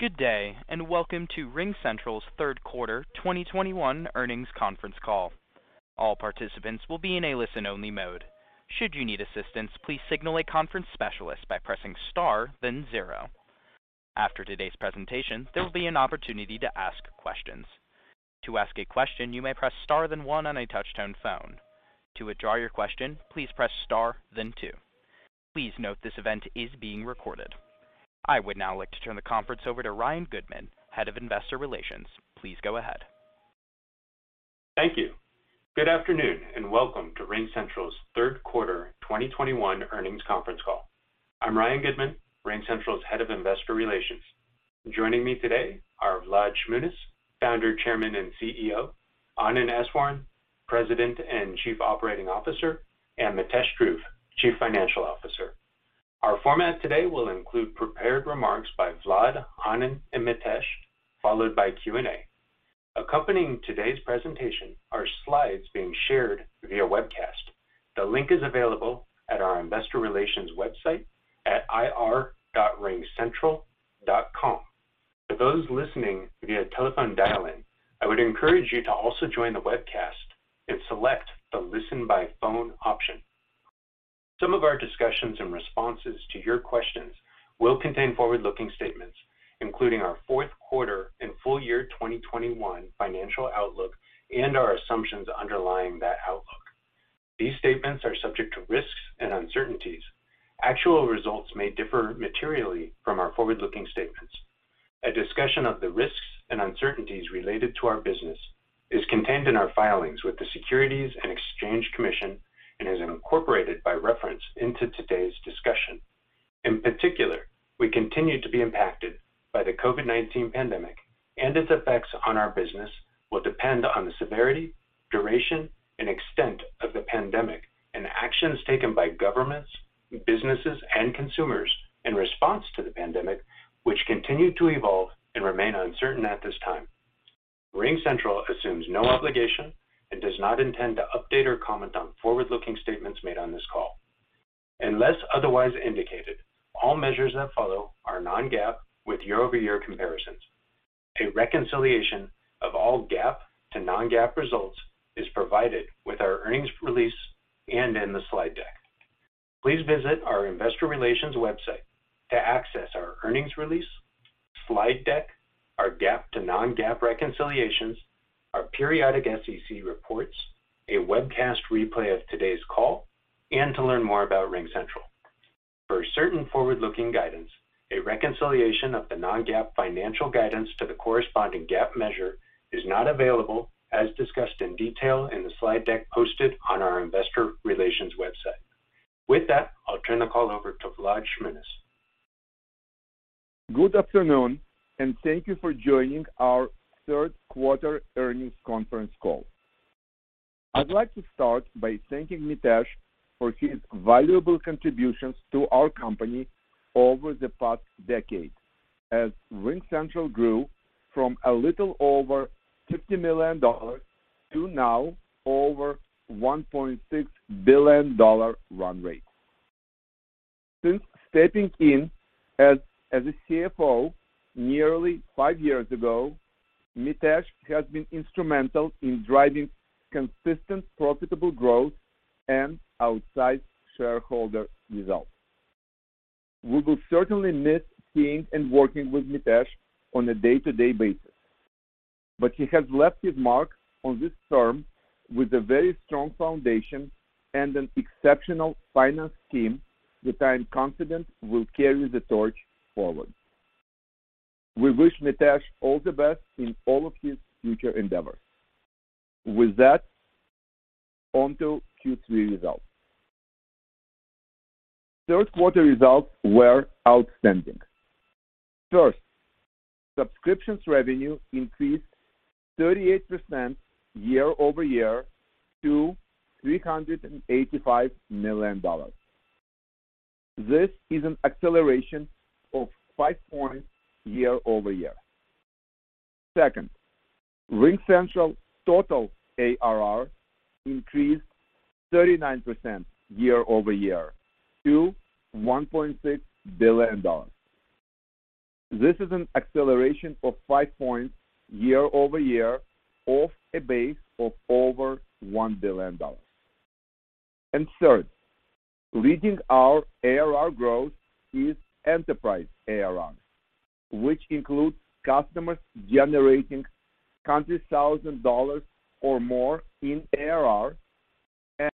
Good day, and welcome to RingCentral's Third Quarter 2021 Earnings Conference Call. All participants will be in a listen-only mode. Should you need assistance, please signal a conference specialist by pressing star, then zero. After today's presentation, there will be an opportunity to ask questions. To ask a question, you may press star then one on a touch-tone phone. To withdraw your question, please press star then two. Please note this event is being recorded. I would now like to turn the conference over to Ryan Goodman, Head of Investor Relations. Please go ahead. Thank you. Good afternoon, and welcome to RingCentral's Third Quarter 2021 Earnings Conference Call. I'm Ryan Goodman, RingCentral's Head of Investor Relations. Joining me today are Vlad Shmunis, Founder, Chairman, and CEO; Anand Eswaran, President and Chief Operating Officer; and Mitesh Dhruv, Chief Financial Officer. Our format today will include prepared remarks by Vlad, Anand, and Mitesh, followed by Q&A. Accompanying today's presentation are slides being shared via webcast. The link is available at our Investor Relations website at ir.ringcentral.com. For those listening via telephone dial-in, I would encourage you to also join the webcast and select the Listen by Phone option. Some of our discussions and responses to your questions will contain forward-looking statements, including our fourth quarter and full year 2021 financial outlook and our assumptions underlying that outlook. These statements are subject to risks and uncertainties. Actual results may differ materially from our forward-looking statements. A discussion of the risks and uncertainties related to our business is contained in our filings with the Securities and Exchange Commission and is incorporated by reference into today's discussion. In particular, we continue to be impacted by the COVID-19 pandemic, and its effects on our business will depend on the severity, duration, and extent of the pandemic and actions taken by governments, businesses, and consumers in response to the pandemic, which continue to evolve and remain uncertain at this time. RingCentral assumes no obligation and does not intend to update or comment on forward-looking statements made on this call. Unless otherwise indicated, all measures that follow are non-GAAP with year-over-year comparisons. A reconciliation of all GAAP to non-GAAP results is provided with our earnings release and in the slide deck. Please visit our Investor Relations website to access our earnings release, slide deck, our GAAP to non-GAAP reconciliations, our periodic SEC reports, a webcast replay of today's call, and to learn more about RingCentral. For certain forward-looking guidance, a reconciliation of the non-GAAP financial guidance to the corresponding GAAP measure is not available, as discussed in detail in the slide deck posted on our Investor Relations website. With that, I'll turn the call over to Vlad Shmunis. Good afternoon, and thank you for joining our third quarter earnings conference call. I'd like to start by thanking Mitesh for his valuable contributions to our company over the past decade as RingCentral grew from a little over $50 million to now over $1.6 billion run rate. Since stepping in as a CFO nearly five years ago, Mitesh has been instrumental in driving consistent profitable growth and outstanding shareholder results. We will certainly miss seeing and working with Mitesh on a day-to-day basis, but he has left his mark on this firm with a very strong foundation and an exceptional finance team which I am confident will carry the torch forward. We wish Mitesh all the best in all of his future endeavors. With that, on to Q3 results. Third quarter results were outstanding. First, subscriptions revenue increased 38% year-over-year to $385 million. This is an acceleration of 5 points year-over-year. Second, RingCentral total ARR increased 39% year-over-year to $1.6 billion. This is an acceleration of 5 points year-over-year off a base of over $1 billion. Third, leading our ARR growth is enterprise ARR, which includes customers generating $100,000 or more in ARR, and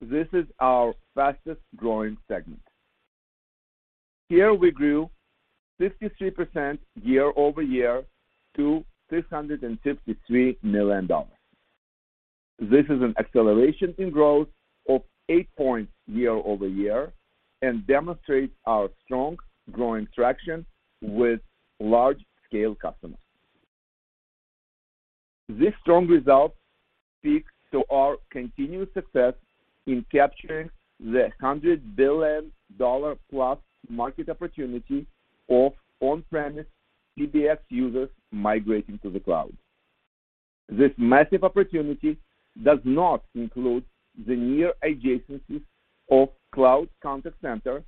this is our fastest-growing segment. Here we grew 53% year-over-year to $653 million. This is an acceleration in growth of 8 points year-over-year and demonstrates our strong growing traction with large-scale customers. These strong results speak to our continued success in capturing the $100+ billion market opportunity of on-premise PBX users migrating to the cloud. This massive opportunity does not include the near adjacencies of cloud contact center,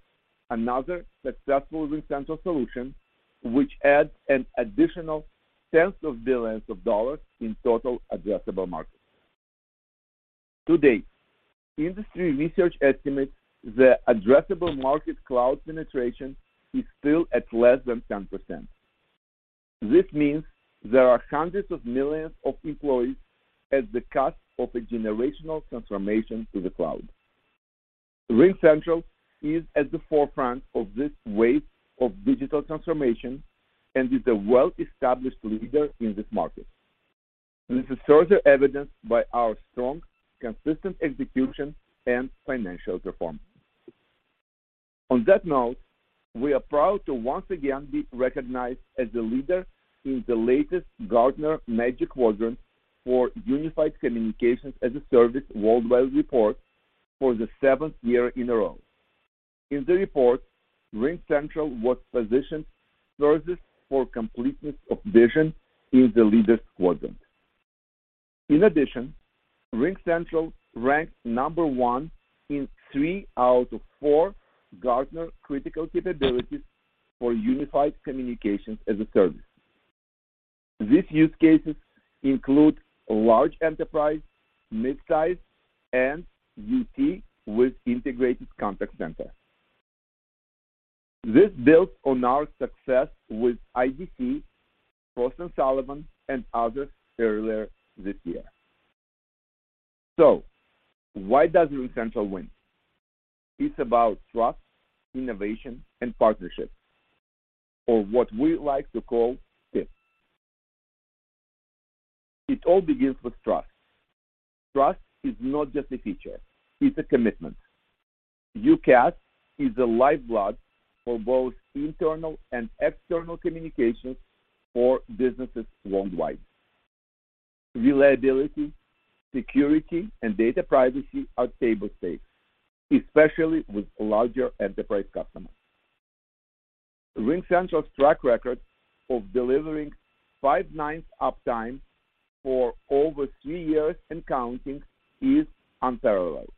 another successful RingCentral solution, which adds an additional tens of billions of dollars in total addressable market. Today, industry research estimates the addressable market cloud penetration is still at less than 10%. This means there are hundreds of millions of employees at the cusp of a generational transformation to the cloud. RingCentral is at the forefront of this wave of digital transformation and is a well-established leader in this market. This is further evidenced by our strong, consistent execution, and financial performance. On that note, we are proud to once again be recognized as a leader in the latest Gartner Magic Quadrant for Unified Communications as a Service, Worldwide report for the seventh year in a row. In the report, RingCentral was positioned closest for completeness of vision in the Leaders quadrant. In addition, RingCentral ranked number one in three out of four Gartner Critical Capabilities for Unified Communications as a Service. These use cases include large enterprise, midsize, and UC with integrated contact center. This builds on our success with IDC, Frost & Sullivan, and others earlier this year. Why does RingCentral win? It's about trust, innovation, and partnerships, or what we like to call TIP. It all begins with trust. Trust is not just a feature, it's a commitment. UCaaS is the lifeblood for both internal and external communications for businesses worldwide. Reliability, security, and data privacy are table stakes, especially with larger enterprise customers. RingCentral's track record of delivering five nines uptime for over three years and counting is unparalleled.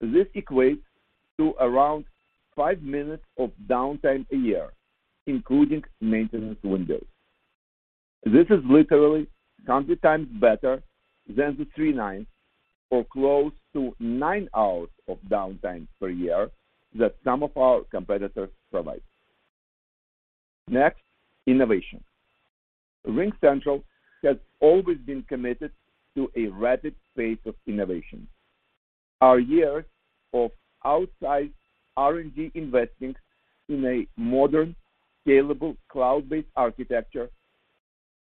This equates to around five minutes of downtime a year, including maintenance windows. This is literally 20x better than the three nines or close to nine hours of downtime per year that some of our competitors provide. Next, innovation. RingCentral has always been committed to a rapid pace of innovation. Our years of outside R&D investing in a modern, scalable, cloud-based architecture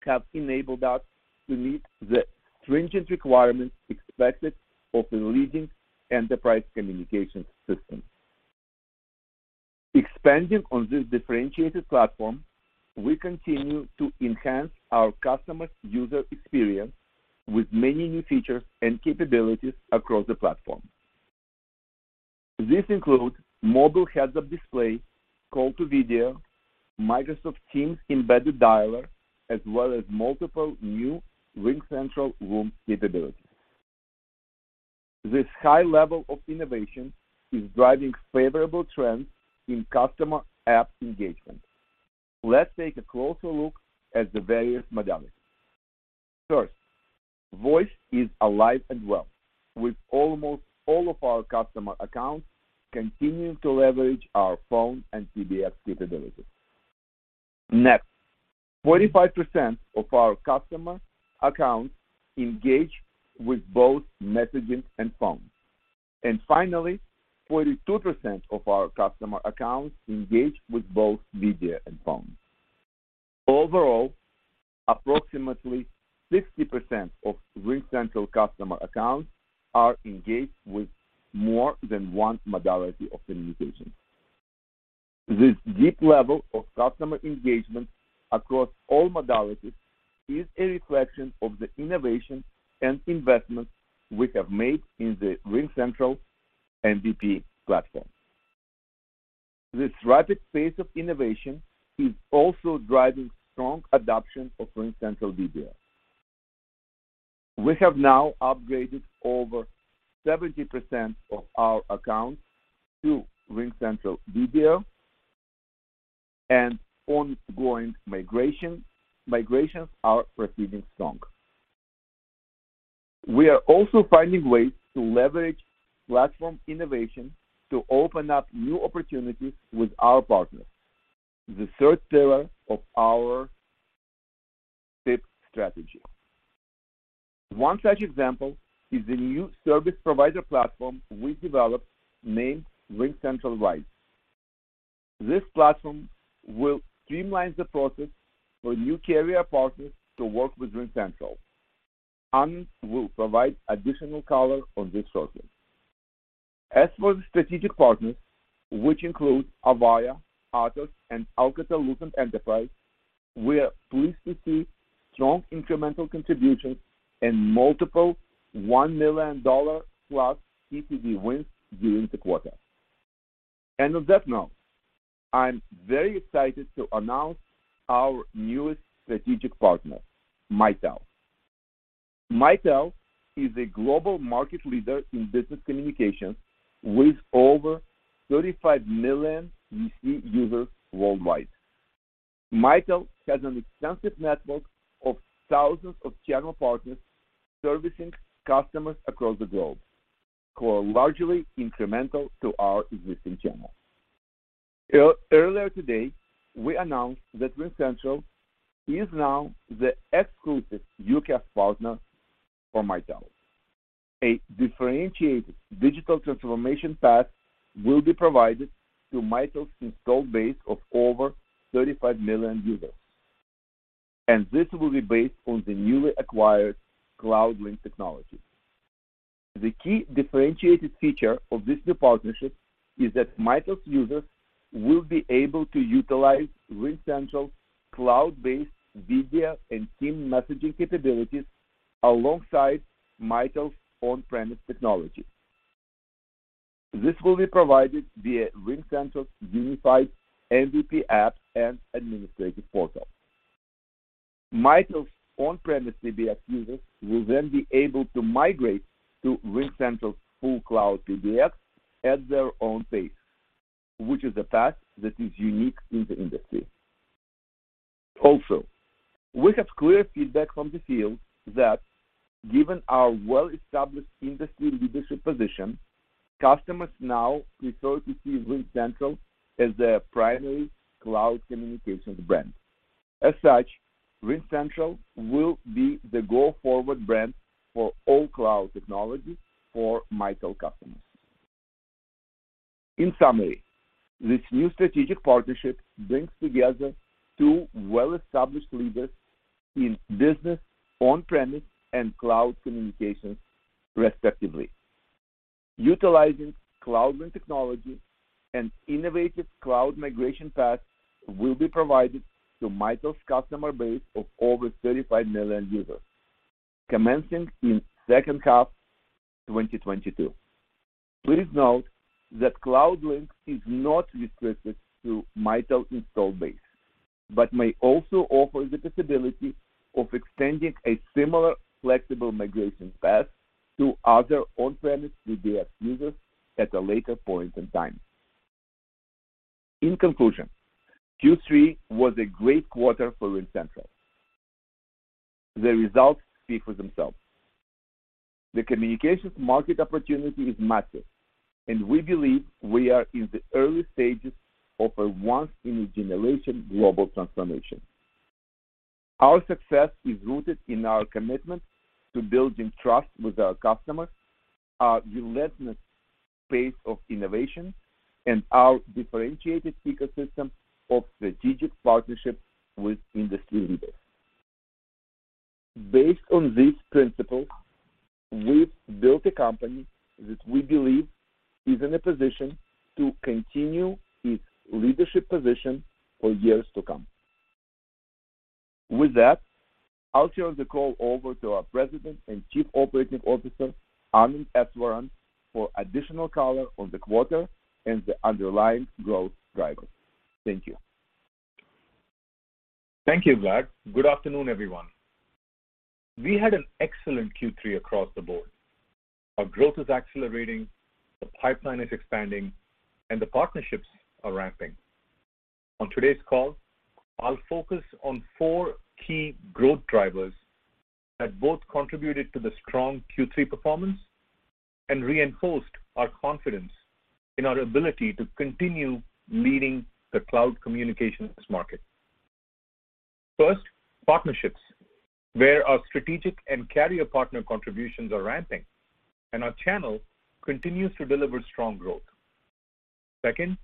have enabled us to meet the stringent requirements expected of a leading enterprise communication system. Expanding on this differentiated platform, we continue to enhance our customers' user experience with many new features and capabilities across the platform. These include mobile heads up display, call to video, Microsoft Teams embedded dialer, as well as multiple new RingCentral room capabilities. This high level of innovation is driving favorable trends in customer app engagement. Let's take a closer look at the various modalities. First, voice is alive and well with almost all of our customer accounts continuing to leverage our phone and PBX capabilities. Next, 45% of our customer accounts engage with both messaging and phone. Finally, 42% of our customer accounts engage with both video and phone. Overall, approximately 60% of RingCentral customer accounts are engaged with more than one modality of communication. This deep level of customer engagement across all modalities is a reflection of the innovation and investment we have made in the RingCentral MVP platform. This rapid pace of innovation is also driving strong adoption of RingCentral Video. We have now upgraded over 70% of our accounts to RingCentral Video and ongoing migrations are proceeding strong. We are also finding ways to leverage platform innovation to open up new opportunities with our partners, the third pillar of our TIP strategy. One such example is the new service provider platform we developed named RingCentral Rise. This platform will streamline the process for new carrier partners to work with RingCentral. Anand will provide additional color on this shortly. As for the strategic partners, which include Avaya, Atos, and Alcatel-Lucent Enterprise, we are pleased to see strong incremental contributions and multiple $1+ million TCV wins during the quarter. On that note, I'm very excited to announce our newest strategic partner, Mitel. Mitel is a global market leader in business communications with over 35 million UC users worldwide. Mitel has an extensive network of thousands of channel partners servicing customers across the globe who are largely incremental to our existing channels. Earlier today, we announced that RingCentral is now the exclusive UCaaS partner for Mitel. A differentiated digital transformation path will be provided to Mitel's installed base of over 35 million users, and this will be based on the newly acquired CloudLink technology. The key differentiated feature of this new partnership is that Mitel's users will be able to utilize RingCentral cloud-based video and team messaging capabilities alongside Mitel's on-premise technology. This will be provided via RingCentral's unified MVP app and administrative portal. Mitel's on-premise PBX users will then be able to migrate to RingCentral's full cloud PBX at their own pace, which is a path that is unique in the industry. Also, we have clear feedback from the field that given our well-established industry leadership position, customers now prefer to see RingCentral as their primary cloud communications brand. As such, RingCentral will be the go-forward brand for all cloud technologies for Mitel customers. In summary, this new strategic partnership brings together two well-established leaders in business, on-premise, and cloud communications, respectively. Utilizing CloudLink technology and innovative cloud migration paths will be provided to Mitel's customer base of over 35 million users commencing in second half 2022. Please note that CloudLink is not restricted to Mitel installed base, but may also offer the possibility of extending a similar flexible migration path to other on-premise PBX users at a later point in time. In conclusion, Q3 was a great quarter for RingCentral. The results speak for themselves. The communications market opportunity is massive, and we believe we are in the early stages of a once in a generation global transformation. Our success is rooted in our commitment to building trust with our customers, our relentless pace of innovation, and our differentiated ecosystem of strategic partnerships with industry leaders. Based on these principles, we've built a company that we believe is in a position to continue its leadership position for years to come. With that, I'll turn the call over to our President and Chief Operating Officer, Anand Eswaran, for additional color on the quarter and the underlying growth drivers. Thank you. Thank you, Vlad. Good afternoon, everyone. We had an excellent Q3 across the board. Our growth is accelerating, the pipeline is expanding, and the partnerships are ramping. On today's call, I'll focus on four key growth drivers that both contributed to the strong Q3 performance and reinforced our confidence in our ability to continue leading the cloud communications market. First, partnerships, where our strategic and carrier partner contributions are ramping and our channel continues to deliver strong growth. Second,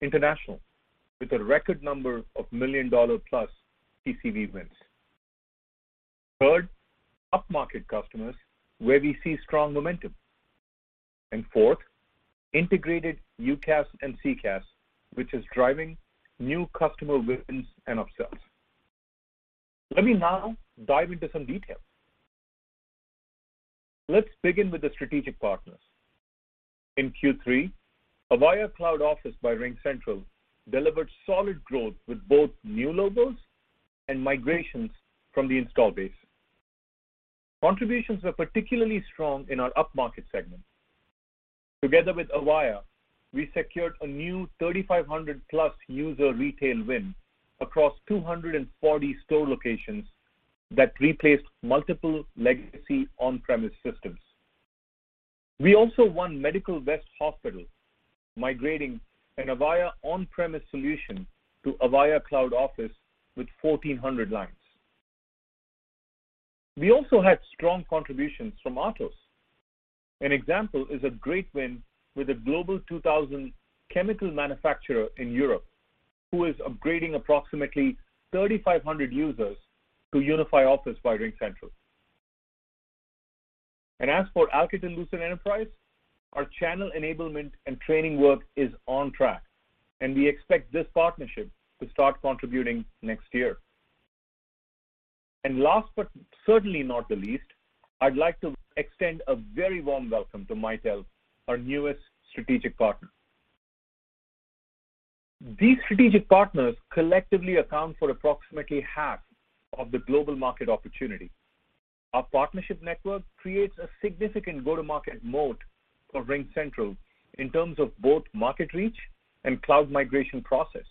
international, with a record number of million-dollar-plus TCV wins. Third, up-market customers, where we see strong momentum. Fourth, integrated UCaaS and CCaaS, which is driving new customer wins and upsells. Let me now dive into some detail. Let's begin with the strategic partners. In Q3, Avaya Cloud Office by RingCentral delivered solid growth with both new logos and migrations from the installed base. Contributions were particularly strong in our up-market segment. Together with Avaya, we secured a new 3,500+ user retail win across 240 store locations that replaced multiple legacy on-premise systems. We also won Medical West Hospital, migrating an Avaya on-premise solution to Avaya Cloud Office with 1,400 lines. We also had strong contributions from Atos. An example is a great win with a Global 2000 chemical manufacturer in Europe who is upgrading approximately 3,500 users to Unify Office by RingCentral. As for Alcatel-Lucent Enterprise, our channel enablement and training work is on track, and we expect this partnership to start contributing next year. Last but certainly not the least, I'd like to extend a very warm welcome to Mitel, our newest strategic partner. These strategic partners collectively account for approximately half of the global market opportunity. Our partnership network creates a significant go-to-market mode for RingCentral in terms of both market reach and cloud migration process.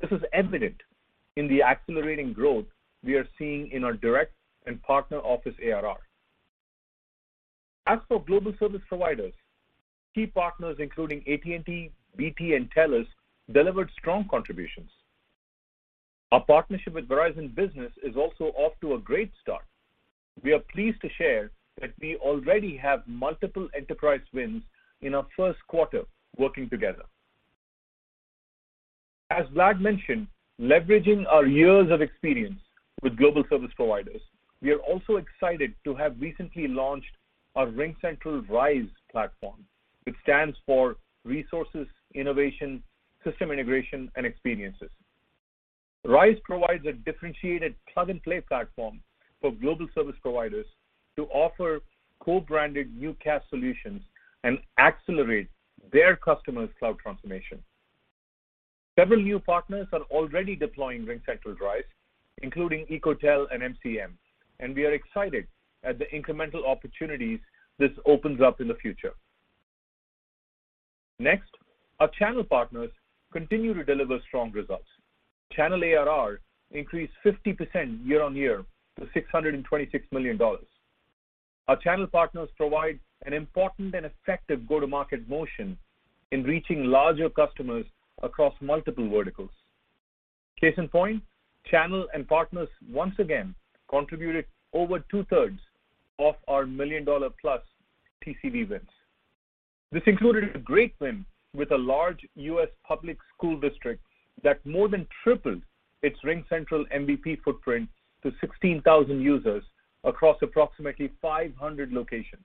This is evident in the accelerating growth we are seeing in our direct and partner office ARR. As for global service providers, key partners including AT&T, BT, and TELUS delivered strong contributions. Our partnership with Verizon Business is also off to a great start. We are pleased to share that we already have multiple enterprise wins in our first quarter working together. As Vlad mentioned, leveraging our years of experience with global service providers, we are also excited to have recently launched our RingCentral Rise platform. It stands for Resources, Innovation, System Integration, and Experiences. Rise provides a differentiated plug-and-play platform for global service providers to offer co-branded UCaaS solutions and accelerate their customers' cloud transformation. Several new partners are already deploying RingCentral Rise, including ecotel and MCM, and we are excited at the incremental opportunities this opens up in the future. Next, our channel partners continue to deliver strong results. Channel ARR increased 50% year-on-year to $626 million. Our channel partners provide an important and effective go-to-market motion in reaching larger customers across multiple verticals. Case in point, channel and partners once again contributed over 2/3 of our million-dollar-plus TCV wins. This included a great win with a large U.S. public school district that more than tripled its RingCentral MVP footprint to 16,000 users across approximately 500 locations.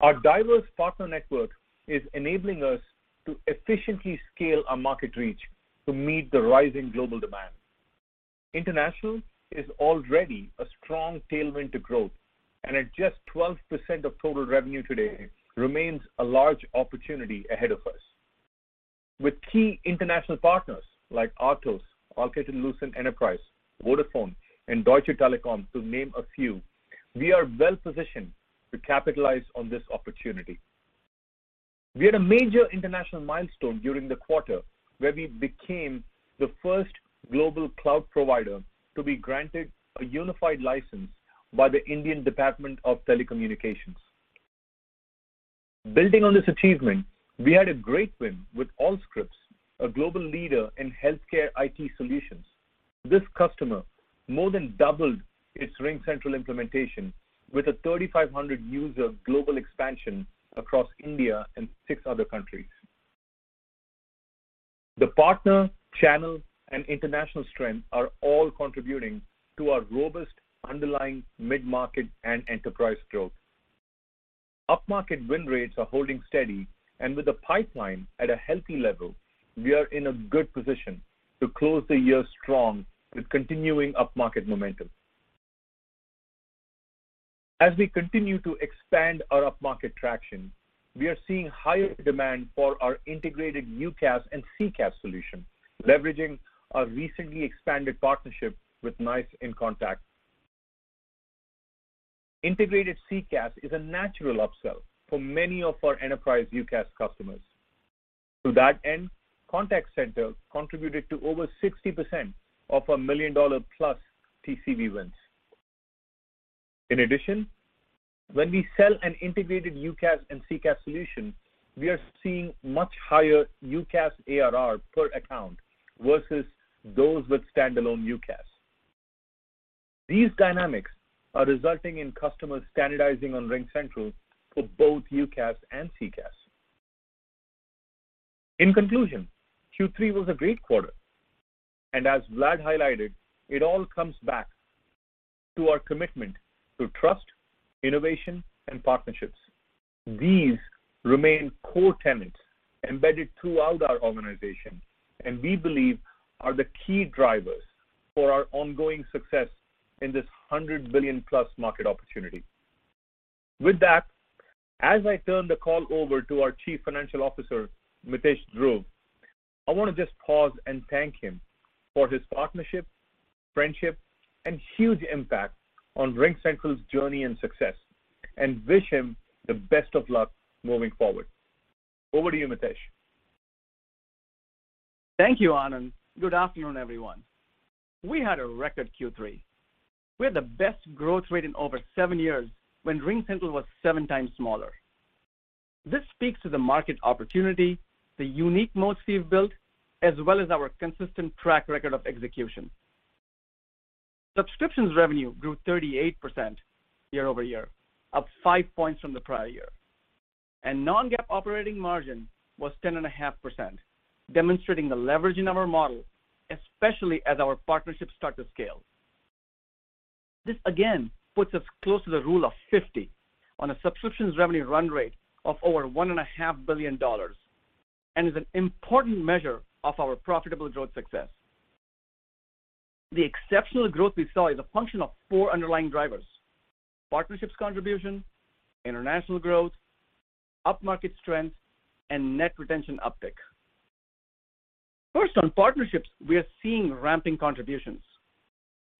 Our diverse partner network is enabling us to efficiently scale our market reach to meet the rising global demand. International is already a strong tailwind to growth and at just 12% of total revenue today remains a large opportunity ahead of us. With key international partners like Atos, Alcatel-Lucent Enterprise, Vodafone, and Deutsche Telekom, to name a few, we are well-positioned to capitalize on this opportunity. We had a major international milestone during the quarter, where we became the first global cloud provider to be granted a unified license by the Indian Department of Telecommunications. Building on this achievement, we had a great win with Allscripts, a global leader in healthcare IT solutions. This customer more than doubled its RingCentral implementation with a 3,500-user global expansion across India and six other countries. The partner, channel, and international strength are all contributing to our robust underlying mid-market and enterprise growth. Up-market win rates are holding steady, and with the pipeline at a healthy level, we are in a good position to close the year strong with continuing up-market momentum. As we continue to expand our up-market traction, we are seeing higher demand for our integrated UCaaS and CCaaS solution, leveraging our recently expanded partnership with NICE inContact. Integrated CCaaS is a natural upsell for many of our enterprise UCaaS customers. To that end, contact center contributed to over 60% of our $1 million-plus TCV wins. In addition, when we sell an integrated UCaaS and CCaaS solution, we are seeing much higher UCaaS ARR per account versus those with standalone UCaaS. These dynamics are resulting in customers standardizing on RingCentral for both UCaaS and CCaaS. In conclusion, Q3 was a great quarter. As Vlad highlighted, it all comes back to our commitment to trust, innovation, and partnerships. These remain core tenets embedded throughout our organization, and we believe are the key drivers for our ongoing success in this $100+ billion market opportunity. With that, as I turn the call over to our Chief Financial Officer, Mitesh Dhruv, I want to just pause and thank him for his partnership, friendship, and huge impact on RingCentral's journey and success, and wish him the best of luck moving forward. Over to you, Mitesh. Thank you, Anand. Good afternoon, everyone. We had a record Q3. We had the best growth rate in over seven years when RingCentral was 7x smaller. This speaks to the market opportunity, the unique modes we've built, as well as our consistent track record of execution. Subscription revenue grew 38% year-over-year, up 5 points from the prior year. Non-GAAP operating margin was 10.5%, demonstrating the leverage in our model, especially as our partnerships start to scale. This again puts us close to the rule of 50 on a subscription revenue run rate of over $1.5 billion, and is an important measure of our profitable growth success. The exceptional growth we saw is a function of four underlying drivers, partnerships contribution, international growth, upmarket strength, and net retention uptick. First, on partnerships, we are seeing ramping contributions.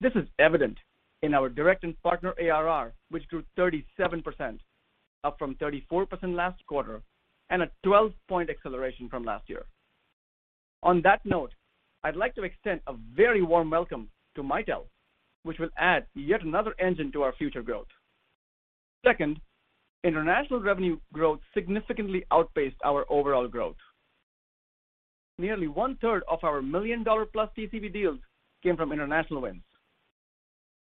This is evident in our direct and partner ARR, which grew 37%, up from 34% last quarter, and a 12-point acceleration from last year. On that note, I'd like to extend a very warm welcome to Mitel, which will add yet another engine to our future growth. Second, international revenue growth significantly outpaced our overall growth. Nearly 1/3 of our $1+ million TCV deals came from international wins.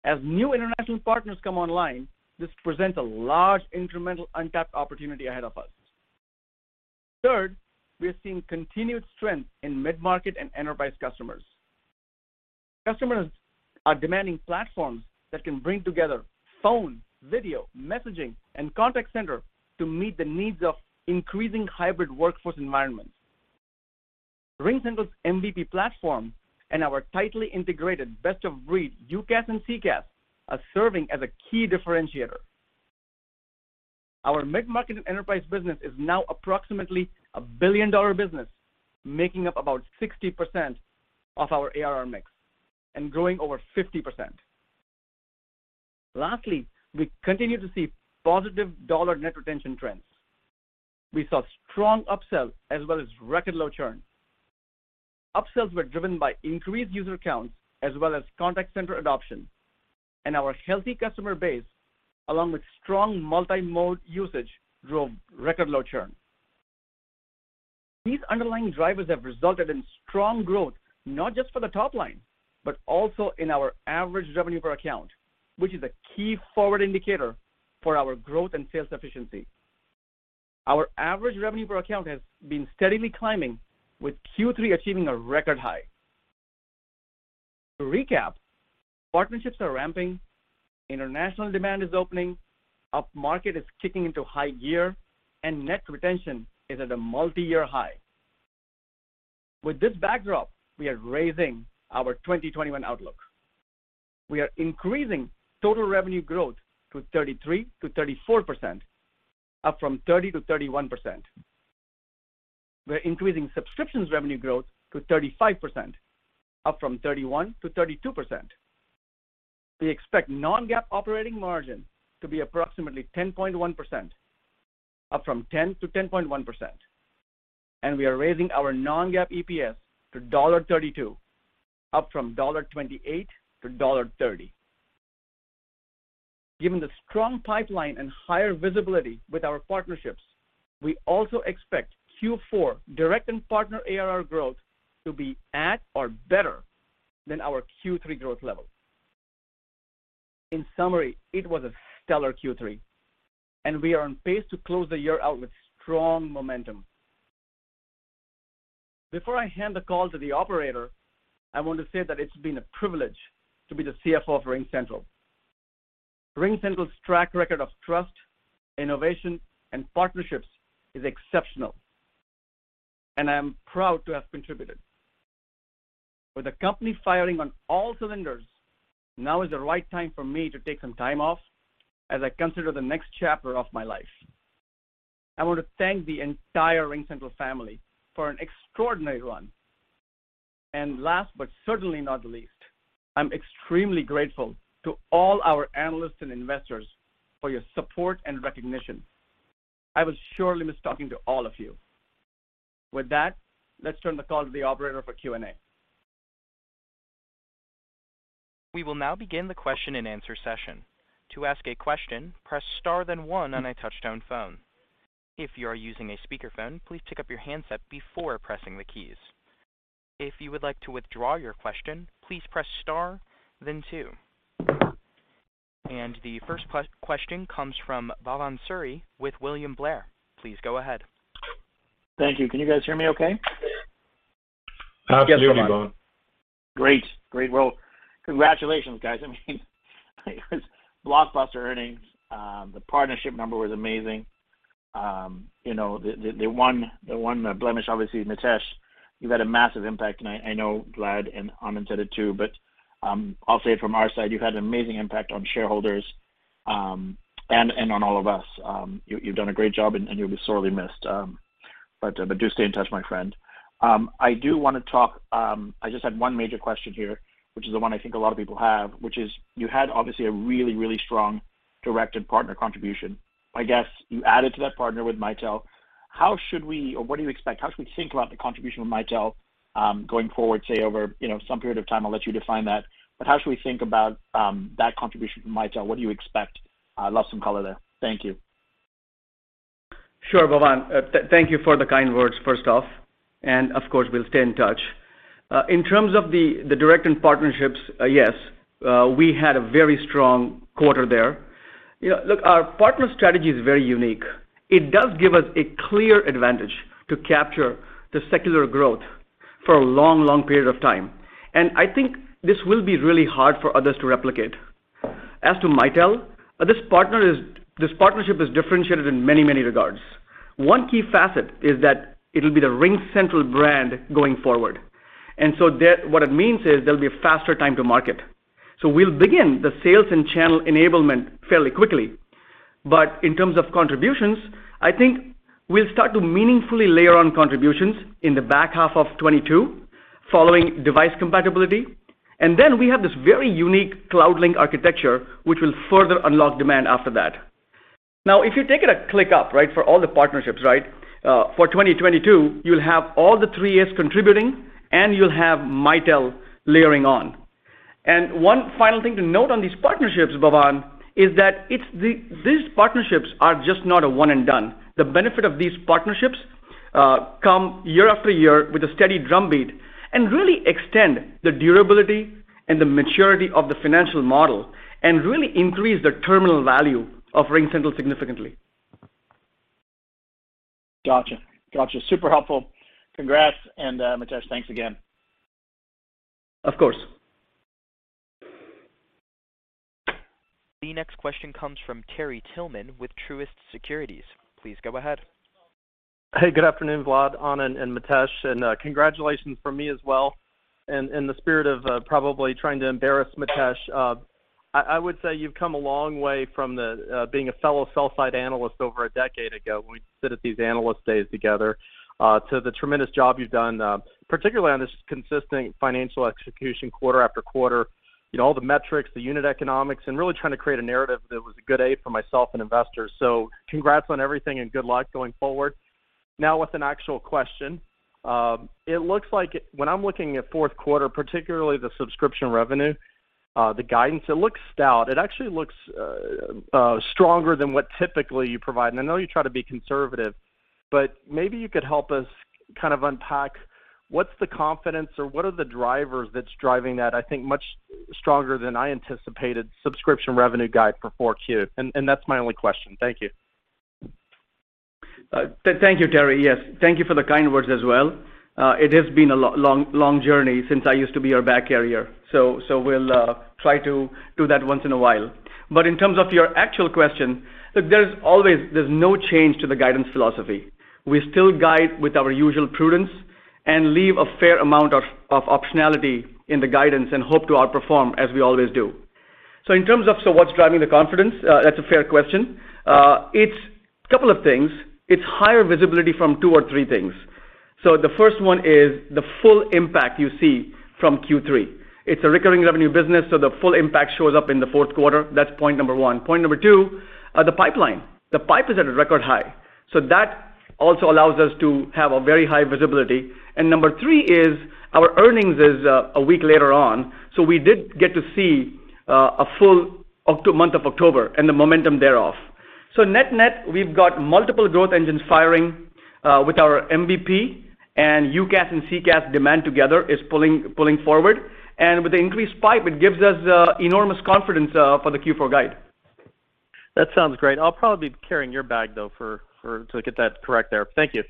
As new international partners come online, this presents a large incremental untapped opportunity ahead of us. Third, we are seeing continued strength in mid-market and enterprise customers. Customers are demanding platforms that can bring together phone, video, messaging, and contact center to meet the needs of increasing hybrid workforce environments. RingCentral's MVP platform and our tightly integrated best of breed UCaaS and CCaaS are serving as a key differentiator. Our mid-market and enterprise business is now approximately a billion-dollar business, making up about 60% of our ARR mix and growing over 50%. Lastly, we continue to see positive dollar net retention trends. We saw strong upsells as well as record low churn. Upsells were driven by increased user counts as well as contact center adoption. Our healthy customer base, along with strong multi-mode usage, drove record low churn. These underlying drivers have resulted in strong growth, not just for the top line, but also in our average revenue per account, which is a key forward indicator for our growth and sales efficiency. Our average revenue per account has been steadily climbing, with Q3 achieving a record high. To recap, partnerships are ramping, international demand is opening, upmarket is kicking into high gear, and net retention is at a multi-year high. With this backdrop, we are raising our 2021 outlook. We are increasing total revenue growth to 33%-34%, up from 30%-31%. We're increasing subscriptions revenue growth to 35%, up from 31%-32%. We expect non-GAAP operating margin to be approximately 10.1%, up from 10%-10.1%. We are raising our non-GAAP EPS to $0.32, up from $0.28-$0.30. Given the strong pipeline and higher visibility with our partnerships, we also expect Q4 direct and partner ARR growth to be at or better than our Q3 growth level. In summary, it was a stellar Q3, and we are on pace to close the year out with strong momentum. Before I hand the call to the operator, I want to say that it's been a privilege to be the CFO of RingCentral. RingCentral's track record of trust, innovation, and partnerships is exceptional, and I am proud to have contributed. With the company firing on all cylinders, now is the right time for me to take some time off as I consider the next chapter of my life. I want to thank the entire RingCentral family for an extraordinary run. Last but certainly not least, I'm extremely grateful to all our analysts and investors for your support and recognition. I will surely miss talking to all of you. With that, let's turn the call to the operator for Q&A. We will now begin the question-and-answer session. To ask a question, press star then one on a touch-tone phone. If you are using a speakerphone, please pick up your handset before pressing the keys. If you would like to withdraw your question, please press star then two. The first question comes from Bhavan Suri with William Blair. Please go ahead. Thank you. Can you guys hear me okay? Yes, we can. Absolutely, Bhavan. Great. Well, congratulations, guys. I mean, it was blockbuster earnings. The partnership number was amazing. You know, the one blemish, obviously, Mitesh, you've had a massive impact, and I know Vlad and Anand said it too, but I'll say it from our side, you've had an amazing impact on shareholders, and on all of us. You've done a great job and you'll be sorely missed. But do stay in touch, my friend. I do want to talk. I just had one major question here, which is the one I think a lot of people have, which is you had obviously a really, really strong direct and partner contribution. I guess you added to that partner with Mitel. How should we or what do you expect? How should we think about the contribution with Mitel, going forward, say, over, you know, some period of time? I'll let you define that. How should we think about that contribution from Mitel? What do you expect? I'd love some color there. Thank you. Sure, Bhavan. Thank you for the kind words, first off, and of course, we'll stay in touch. In terms of the direct and partnerships, yes, we had a very strong quarter there. You know, look, our partner strategy is very unique. It does give us a clear advantage to capture the secular growth for a long, long period of time. I think this will be really hard for others to replicate. As to Mitel, this partnership is differentiated in many, many regards. One key facet is that it'll be the RingCentral brand going forward. What it means is there'll be a faster time to market. We'll begin the sales and channel enablement fairly quickly. In terms of contributions, I think we'll start to meaningfully layer on contributions in the back half of 2022 following device compatibility. We have this very unique CloudLink architecture which will further unlock demand after that. Now, if you take it a click up, right, for all the partnerships, right, for 2022, you'll have all the three As contributing, and you'll have Mitel layering on. One final thing to note on these partnerships, Bhavan, is that these partnerships are just not a one and done. The benefit of these partnerships come year after year with a steady drumbeat and really extend the durability and the maturity of the financial model and really increase the terminal value of RingCentral significantly. Gotcha. Super helpful. Congrats, and, Mitesh, thanks again. Of course. The next question comes from Terrell Tillman with Truist Securities. Please go ahead. Hey, good afternoon, Vlad Shmunis, Anand Eswaran, and Mitesh Dhruv, and congratulations from me as well. In the spirit of probably trying to embarrass Mitesh Dhruv, I would say you've come a long way from being a fellow sell-side analyst over a decade ago when we sit at these analyst days together to the tremendous job you've done, particularly on this consistent financial execution quarter after quarter. You know, all the metrics, the unit economics, and really trying to create a narrative that was a good A for myself and investors. Congrats on everything, and good luck going forward. Now with an actual question. It looks like when I'm looking at fourth quarter, particularly the subscription revenue, the guidance, it looks stout. It actually looks stronger than what typically you provide. I know you try to be conservative, but maybe you could help us kind of unpack what's the confidence or what are the drivers that's driving that, I think, much stronger than I anticipated subscription revenue guide for 4Q. That's my only question. Thank you. Thank you, Terry. Yes. Thank you for the kind words as well. It has been a long journey since I used to be your bag carrier. We'll try to do that once in a while. In terms of your actual question, look, there's no change to the guidance philosophy. We still guide with our usual prudence and leave a fair amount of optionality in the guidance and hope to outperform as we always do. In terms of what's driving the confidence, that's a fair question. It's a couple of things. It's higher visibility from two or three things. The first one is the full impact you see from Q3. It's a recurring revenue business, so the full impact shows up in the fourth quarter. That's point number one. Point number two, the pipeline. The pipe is at a record high. That also allows us to have a very high visibility. Number three is our earnings is a week later on, so we did get to see a full month of October and the momentum thereof. Net-net, we've got multiple growth engines firing with our MVP and UCaaS and CCaaS demand together is pulling forward. With the increased pipe, it gives us enormous confidence for the Q4 guide. That sounds great. I'll probably be carrying your bag though to get that correct there. Thank you.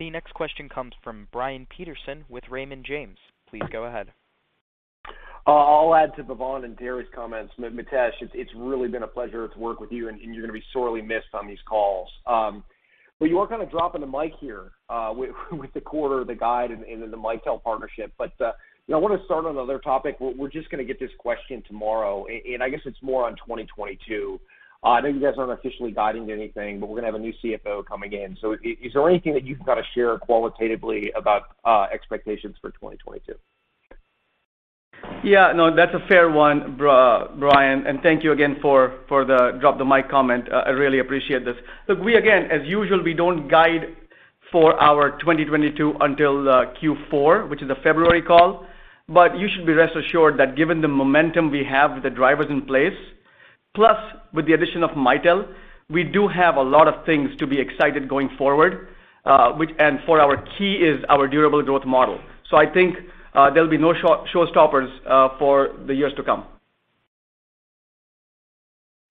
The next question comes from Brian Peterson with Raymond James. Please go ahead. I'll add to Bhavan and Terry's comments. Mitesh, it's really been a pleasure to work with you, and you're gonna be sorely missed on these calls. You are kinda dropping the mic here with the quarter, the guide, and then the Mitel partnership. You know, I wanna start on another topic. We're just gonna get this question tomorrow, and I guess it's more on 2022. I know you guys aren't officially guiding to anything, but we're gonna have a new CFO coming in. Is there anything that you can kinda share qualitatively about expectations for 2022? Yeah. No, that's a fair one, Brian. Thank you again for the drop the mic comment. I really appreciate this. Look, we again, as usual, we don't guide for our 2022 until Q4, which is the February call. You should be rest assured that given the momentum we have with the drivers in place, plus with the addition of Mitel, we do have a lot of things to be excited going forward, which our key is our durable growth model. I think there'll be no show stoppers for the years to come.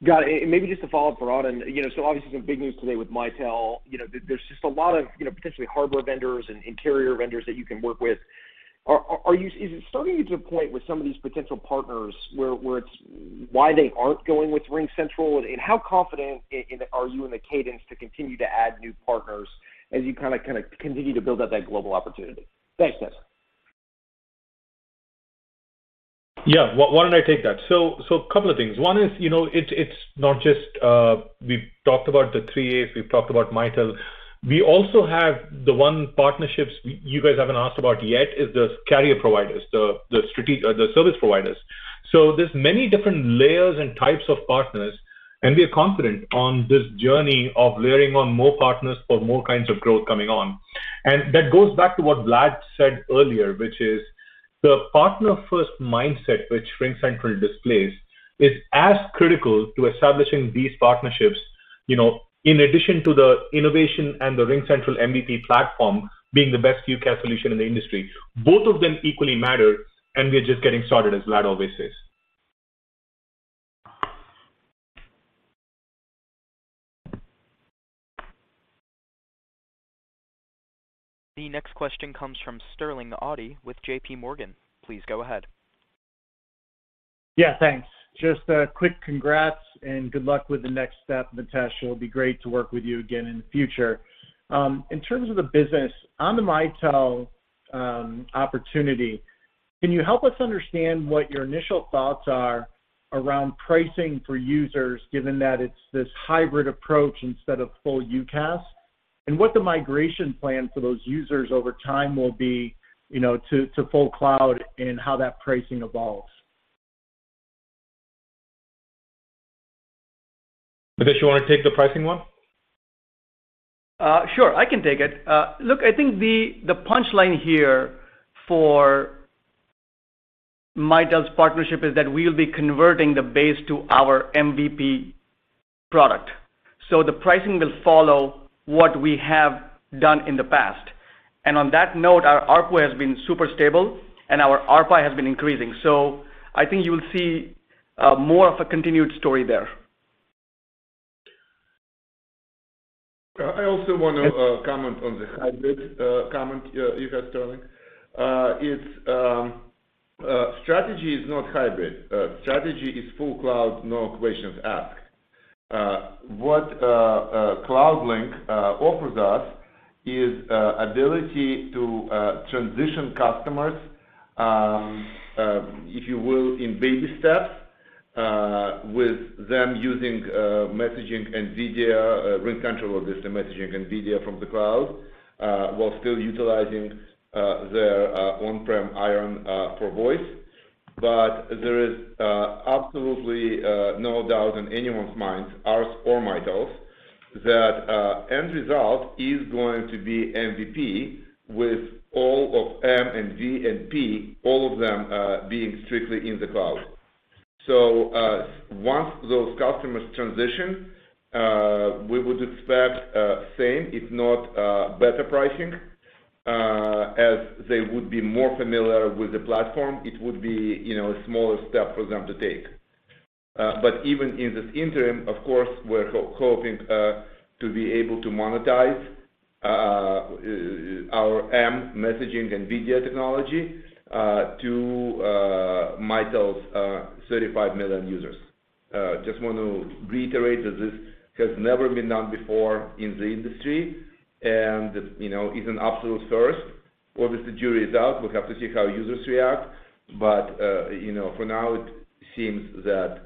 Got it. Maybe just to follow up for Anand. You know, so obviously some big news today with Mitel. You know, there's just a lot of, you know, potentially hardware vendors and enterprise vendors that you can work with. Is it starting to get to a point with some of these potential partners where it's why they aren't going with RingCentral? And how confident are you in the cadence to continue to add new partners as you kinda continue to build out that global opportunity? Thanks, Mitesh. Why don't I take that? Couple of things. One is, you know, it's not just, we've talked about the Three As, we've talked about Mitel. We also have the other partnerships you guys haven't asked about yet is the carrier providers, or the service providers. There's many different layers and types of partners, and we are confident on this journey of layering on more partners for more kinds of growth coming on. That goes back to what Vlad said earlier, which is the partner first mindset which RingCentral displays is as critical to establishing these partnerships. You know, in addition to the innovation and the RingCentral MVP platform being the best UCaaS solution in the industry, both of them equally matter, and we are just getting started, as Vlad always says. The next question comes from Sterling Auty with JPMorgan. Please go ahead. Yeah, thanks. Just a quick congrats and good luck with the next step, Mitesh. It'll be great to work with you again in the future. In terms of the business, on the Mitel opportunity, can you help us understand what your initial thoughts are around pricing for users, given that it's this hybrid approach instead of full UCaaS, and what the migration plan for those users over time will be, you know, to full cloud and how that pricing evolves? Mitesh, you wanna take the pricing one? Sure. I can take it. Look, I think the punch line here for Mitel's partnership is that we'll be converting the base to our MVP product, so the pricing will follow what we have done in the past. On that note, our ARPU has been super stable, and our ARPA has been increasing, so I think you'll see more of a continued story there. I also wanna comment on the hybrid comment you had, Sterling. Our strategy is not hybrid. Strategy is full cloud, no questions asked. What CloudLink offers us is ability to transition customers, if you will, in baby steps, with them using messaging and video, RingCentral just messaging and video from the cloud, while still utilizing their on-prem iron for voice. But there is absolutely no doubt in anyone's mind, ours or Mitel's, that end result is going to be MVP with all of M and V and P, all of them, being strictly in the cloud. Once those customers transition, we would expect same if not better pricing, as they would be more familiar with the platform. It would be, you know, a smaller step for them to take. But even in the interim, of course, we're hoping to be able to monetize our messaging and video technology to Mitel's 35 million users. Just want to reiterate that this has never been done before in the industry and, you know, is an absolute first. Obviously, jury is out. We'll have to see how users react, but, you know, for now it seems that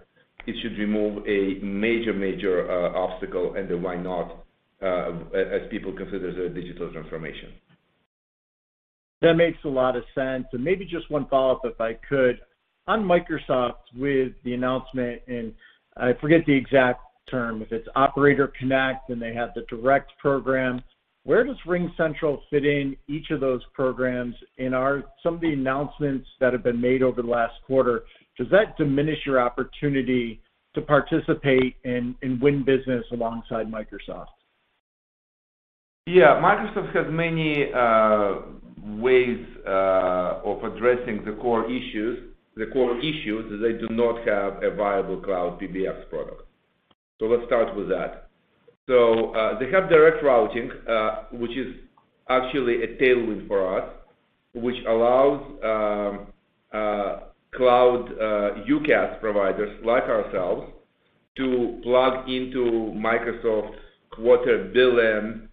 it should remove a major obstacle and a why not as people consider their digital transformation. That makes a lot of sense. Maybe just one follow-up, if I could. On Microsoft, with the announcement, and I forget the exact term, if it's Operator Connect, then they have the Direct Routing, where does RingCentral fit in each of those programs? Are some of the announcements that have been made over the last quarter? Does that diminish your opportunity to participate and win business alongside Microsoft? Yeah. Microsoft has many ways of addressing the core issues. The core issue is they do not have a viable cloud PBX product. Let's start with that. They have Direct Routing, which is actually a tailwind for us, which allows cloud UCaaS providers like ourselves to plug into Microsoft's 250 million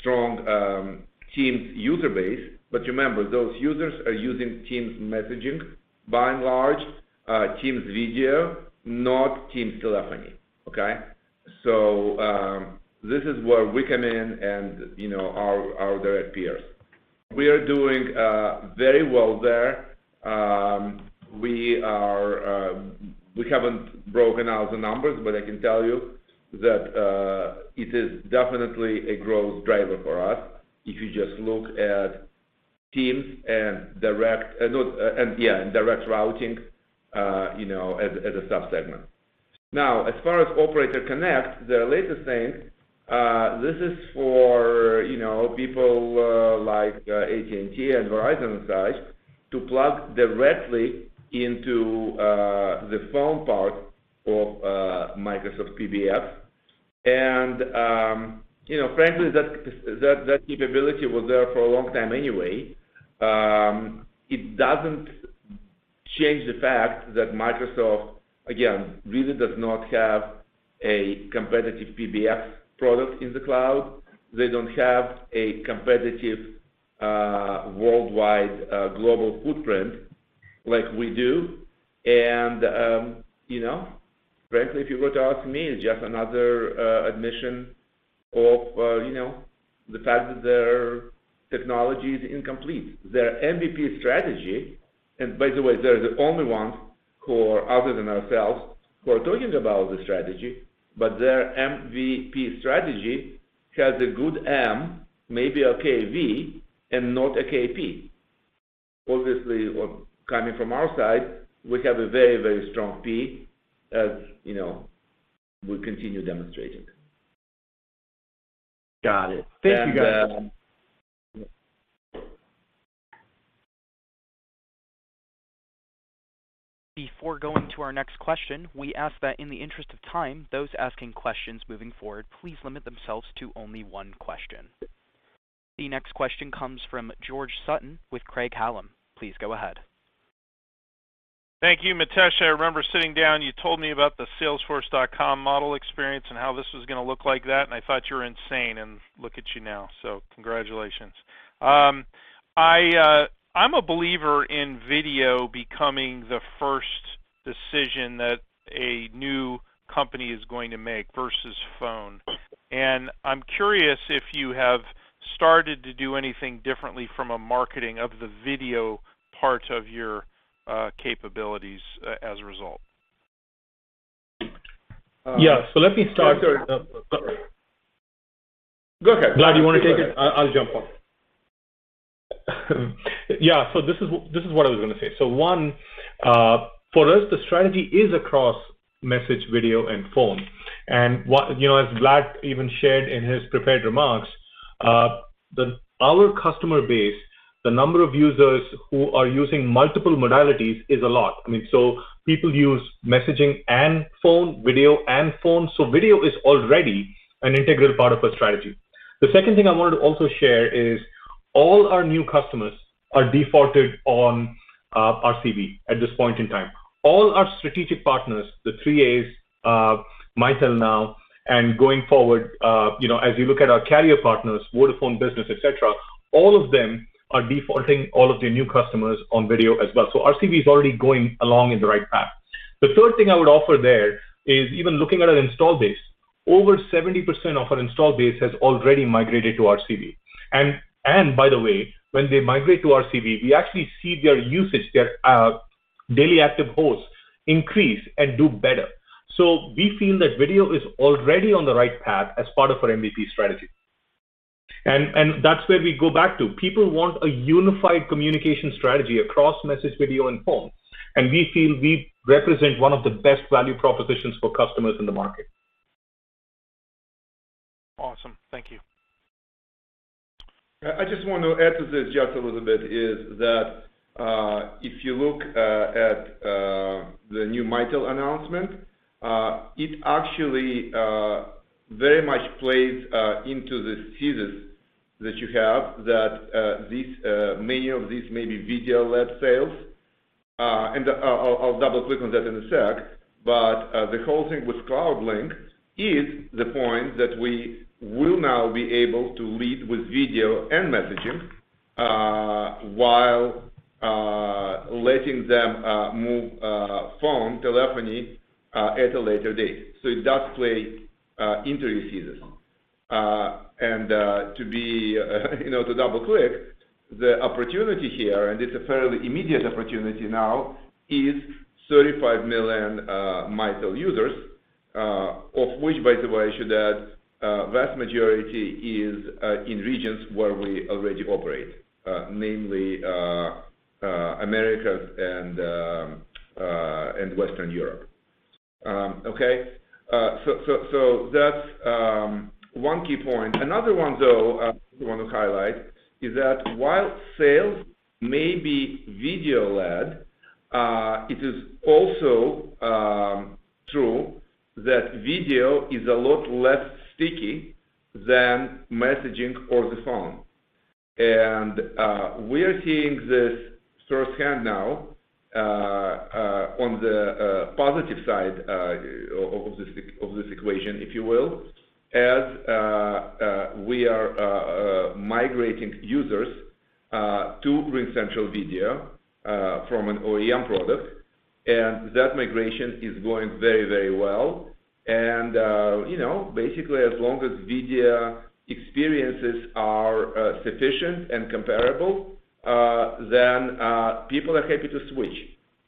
strong Teams user base. Remember, those users are using Teams messaging by and large, Teams video, not Teams telephony, okay? This is where we come in and our direct peers. We are doing very well there. We haven't broken out the numbers, but I can tell you that it is definitely a growth driver for us, if you just look at Teams and direct. No, yeah, Direct Routing, you know, as a sub-segment. Now, as far as Operator Connect, their latest thing, this is for, you know, people like AT&T and Verizon and such, to plug directly into the phone part of Microsoft PBX. You know, frankly, that capability was there for a long time anyway. It doesn't change the fact that Microsoft, again, really does not have a competitive PBX product in the cloud. They don't have a competitive worldwide global footprint like we do. You know, frankly, if you were to ask me, it's just another admission of you know, the fact that their technology is incomplete. Their MVP strategy, and by the way, they're the only ones who are, other than ourselves, who are talking about the strategy, but their MVP strategy has a good M, maybe okay V, and not okay P. Obviously, coming from our side, we have a very, very strong P as, you know, we continue demonstrating. Got it. Thank you, guys. Before going to our next question, we ask that in the interest of time, those asking questions moving forward please limit themselves to only one question. The next question comes from George Sutton with Craig-Hallum. Please go ahead. Thank you, Mitesh. I remember sitting down, you told me about the Salesforce model experience and how this was gonna look like that, and I thought you were insane, and look at you now. So congratulations. I'm a believer in video becoming the first decision that a new company is going to make versus phone. I'm curious if you have started to do anything differently from a marketing of the video part of your capabilities as a result. Um- Yeah. Let me start. Go ahead, Anand. Go ahead. Vlad, you want to take it? I'll jump on. Yeah. This is what I was gonna say. One, for us, the strategy is across Message, Video, and Phone. You know, as Vlad even shared in his prepared remarks, our customer base, the number of users who are using multiple modalities is a lot. I mean, people use Messaging and Phone, Video and Phone, so video is already an integral part of our strategy. The second thing I wanted to also share is all our new customers are defaulted on RCV at this point in time. All our strategic partners, the Three As, Mitel now, and going forward, you know, as you look at our carrier partners, Vodafone Business, et cetera, all of them are defaulting all of their new customers on video as well. RCV is already going along in the right path. The third thing I would offer there is even looking at our install base, over 70% of our install base has already migrated to RCV. By the way, when they migrate to RCV, we actually see their usage, their daily active hosts increase and do better. We feel that video is already on the right path as part of our MVP strategy. That's where we go back to. People want a unified communication strategy across Message, Video, and Phone, and we feel we represent one of the best value propositions for customers in the market. Awesome. Thank you. I just want to add to this just a little bit, if you look at the new Mitel announcement, it actually very much plays into this thesis that you have that these many of these may be video-led sales, and I'll double-click on that in a sec. The whole thing with CloudLink is the point that we will now be able to lead with video and messaging, while letting them move phone telephony at a later date. It does play into your thesis. To double-click the opportunity here, and it's a fairly immediate opportunity now, is 35 million Mitel users, of which, by the way, I should add, vast majority is in regions where we already operate, namely, Americas and Western Europe. That's one key point. Another one though, I want to highlight is that while sales may be video-led, it is also true that video is a lot less sticky than messaging or the phone. We are seeing this firsthand now on the positive side of this equation, if you will, as we are migrating users to RingCentral Video from an OEM product, and that migration is going very well. You know, basically, as long as video experiences are sufficient and comparable, then people are happy to switch.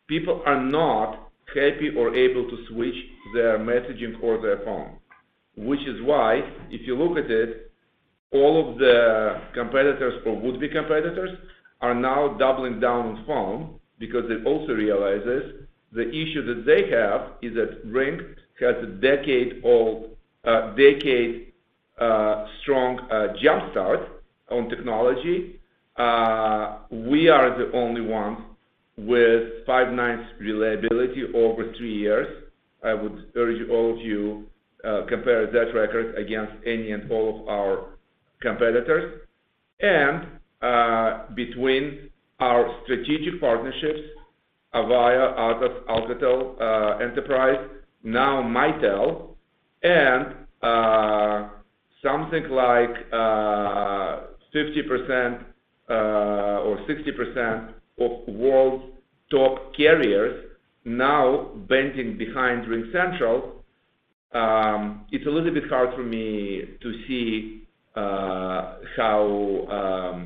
People are not happy or able to switch their messaging or their phone, which is why if you look at it, all of the competitors or would-be competitors are now doubling down on phone because it also realizes the issue that they have is that Ring has a decade-old strong jump start on technology. We are the only one with five nines reliability over three years. I would urge all of you compare that record against any and all of our competitors. Between our strategic partnerships, Avaya, Alcatel-Lucent Enterprise, now Mitel, and something like 50% or 60% of world's top carriers now backing RingCentral, it's a little bit hard for me to see how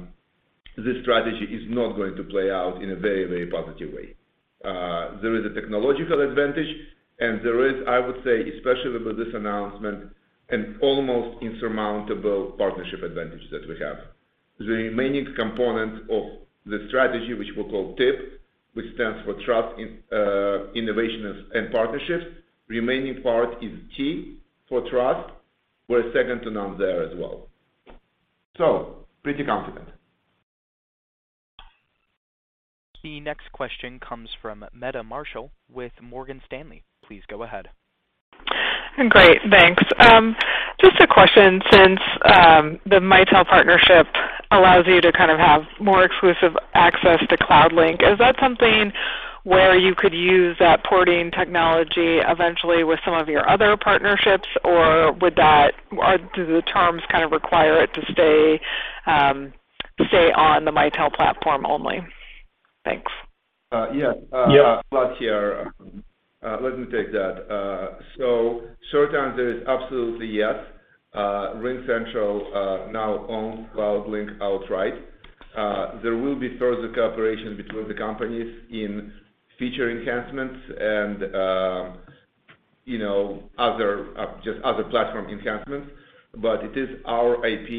this strategy is not going to play out in a very, very positive way. There is a technological advantage, and there is, I would say, especially with this announcement, an almost insurmountable partnership advantage that we have. The remaining component of the strategy, which we'll call TIP, which stands for Trust, Innovation and Partnerships. Remaining part is T for trust. We're second to none there as well. Pretty confident. The next question comes from Meta Marshall with Morgan Stanley. Please go ahead. Great. Thanks. Just a question since the Mitel partnership allows you to kind of have more exclusive access to CloudLink. Is that something where you could use that porting technology eventually with some of your other partnerships, or do the terms kind of require it to stay on the Mitel platform only? Thanks. Yeah. Yeah. Vlad here. Let me take that. So short term, there is absolutely, yes. RingCentral now owns CloudLink outright. There will be further cooperation between the companies in feature enhancements and, you know, other, just other platform enhancements. It is our IP,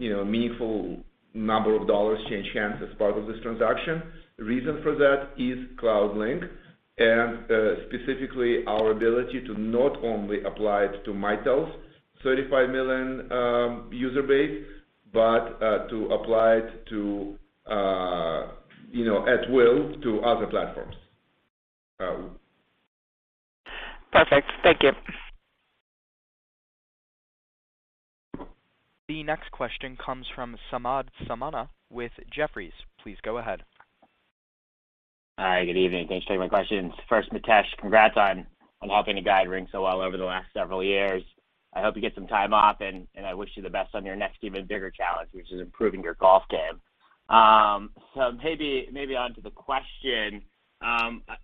you know, meaningful number of dollars change hands as part of this transaction. The reason for that is CloudLink and, specifically our ability to not only apply it to Mitel's 35 million user base, but, to apply it to, you know, at will to other platforms. Perfect. Thank you. The next question comes from Samad Samana with Jefferies. Please go ahead. Hi. Good evening. Thanks for taking my questions. First, Mitesh, congrats on helping to guide RingCentral over the last several years. I hope you get some time off, and I wish you the best on your next even bigger challenge, which is improving your golf game. So maybe on to the question.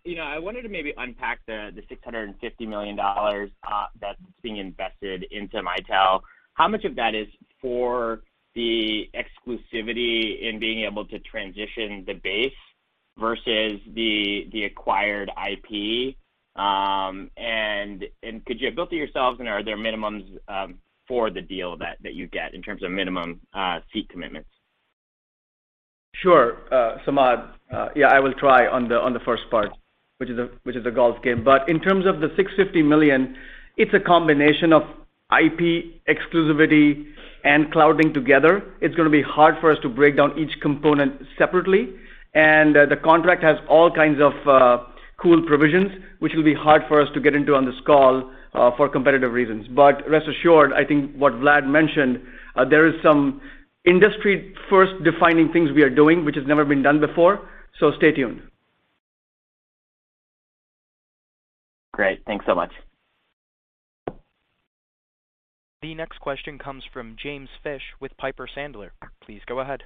You know, I wanted to maybe unpack the $650 million that's being invested into Mitel. How much of that is for the exclusivity in being able to transition the base versus the acquired IP? And could you have built it yourselves or are there minimums for the deal that you get in terms of minimum seat commitments? Sure. Samad, yeah, I will try on the first part, which is the golf game. In terms of the $650 million, it's a combination of IP exclusivity and CloudLink together. It's gonna be hard for us to break down each component separately. The contract has all kinds of cool provisions, which will be hard for us to get into on this call for competitive reasons. Rest assured, I think what Vlad mentioned, there is some industry-first defining things we are doing which has never been done before, so stay tuned. Great. Thanks so much. The next question comes from James Fish with Piper Sandler. Please go ahead.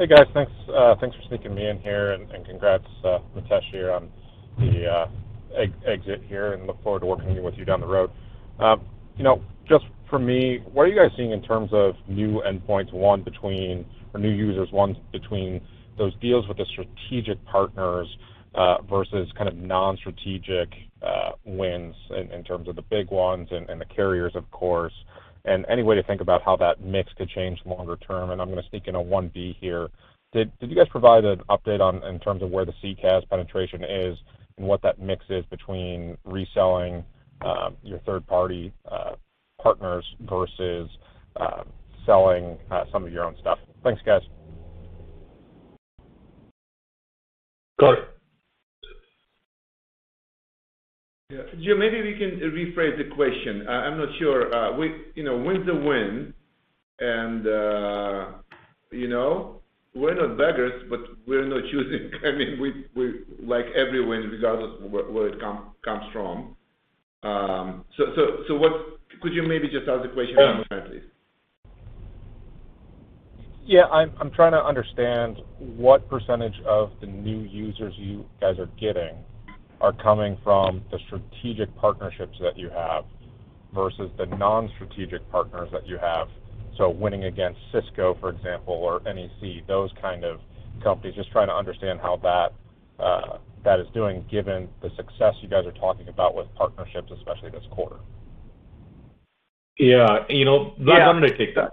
Hey, guys. Thanks for sneaking me in here, and congrats, Mitesh, here on the exit here, and look forward to working with you down the road. You know, just for me, what are you guys seeing in terms of new endpoints won between or new users won between those deals with the strategic partners versus kind of non-strategic wins in terms of the big ones and the carriers, of course? Any way to think about how that mix could change longer term. I'm gonna sneak in a one B here. Did you guys provide an update on in terms of where the CCaaS penetration is and what that mix is between reselling your third-party partners versus selling some of your own stuff? Thanks, guys. Go ahead. Yeah. Jim, maybe we can rephrase the question. I'm not sure. We, you know, win's a win and, you know, we're not beggars, but we're not choosing. I mean, we like every win regardless of where it comes from. So what? Could you maybe just ask the question differently, please? Yeah. I'm trying to understand what percentage of the new users you guys are getting are coming from the strategic partnerships that you have versus the non-strategic partners that you have. So winning against Cisco, for example, or NEC, those kind of companies. Just trying to understand how that is doing given the success you guys are talking about with partnerships, especially this quarter. Yeah. You know- Yeah. Vlad, let me take that.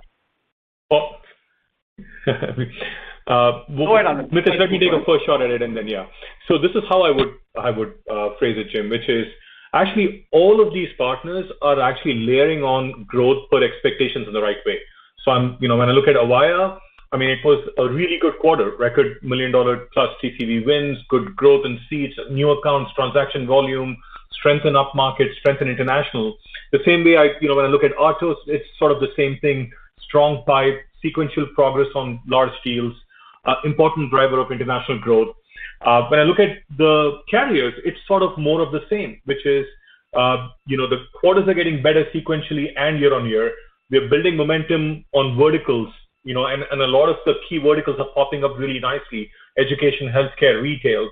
Well. Go ahead. Mitesh, let me take a first shot at it and then you. This is how I would phrase it, Jim, which is actually all of these partners are actually layering on growth per expectations in the right way. I'm, you know, when I look at Avaya, I mean, it was a really good quarter. Record $1+ million TPV wins, good growth in seats, new accounts, transaction volume, strength in upmarket, strength in international. The same way I, you know, when I look at Atos, it's sort of the same thing. Strong pipe, sequential progress on large deals, important driver of international growth. When I look at the carriers, it's sort of more of the same, which is, you know, the quarters are getting better sequentially and year-over-year. We're building momentum on verticals, you know, and a lot of the key verticals are popping up really nicely: education, healthcare, retail.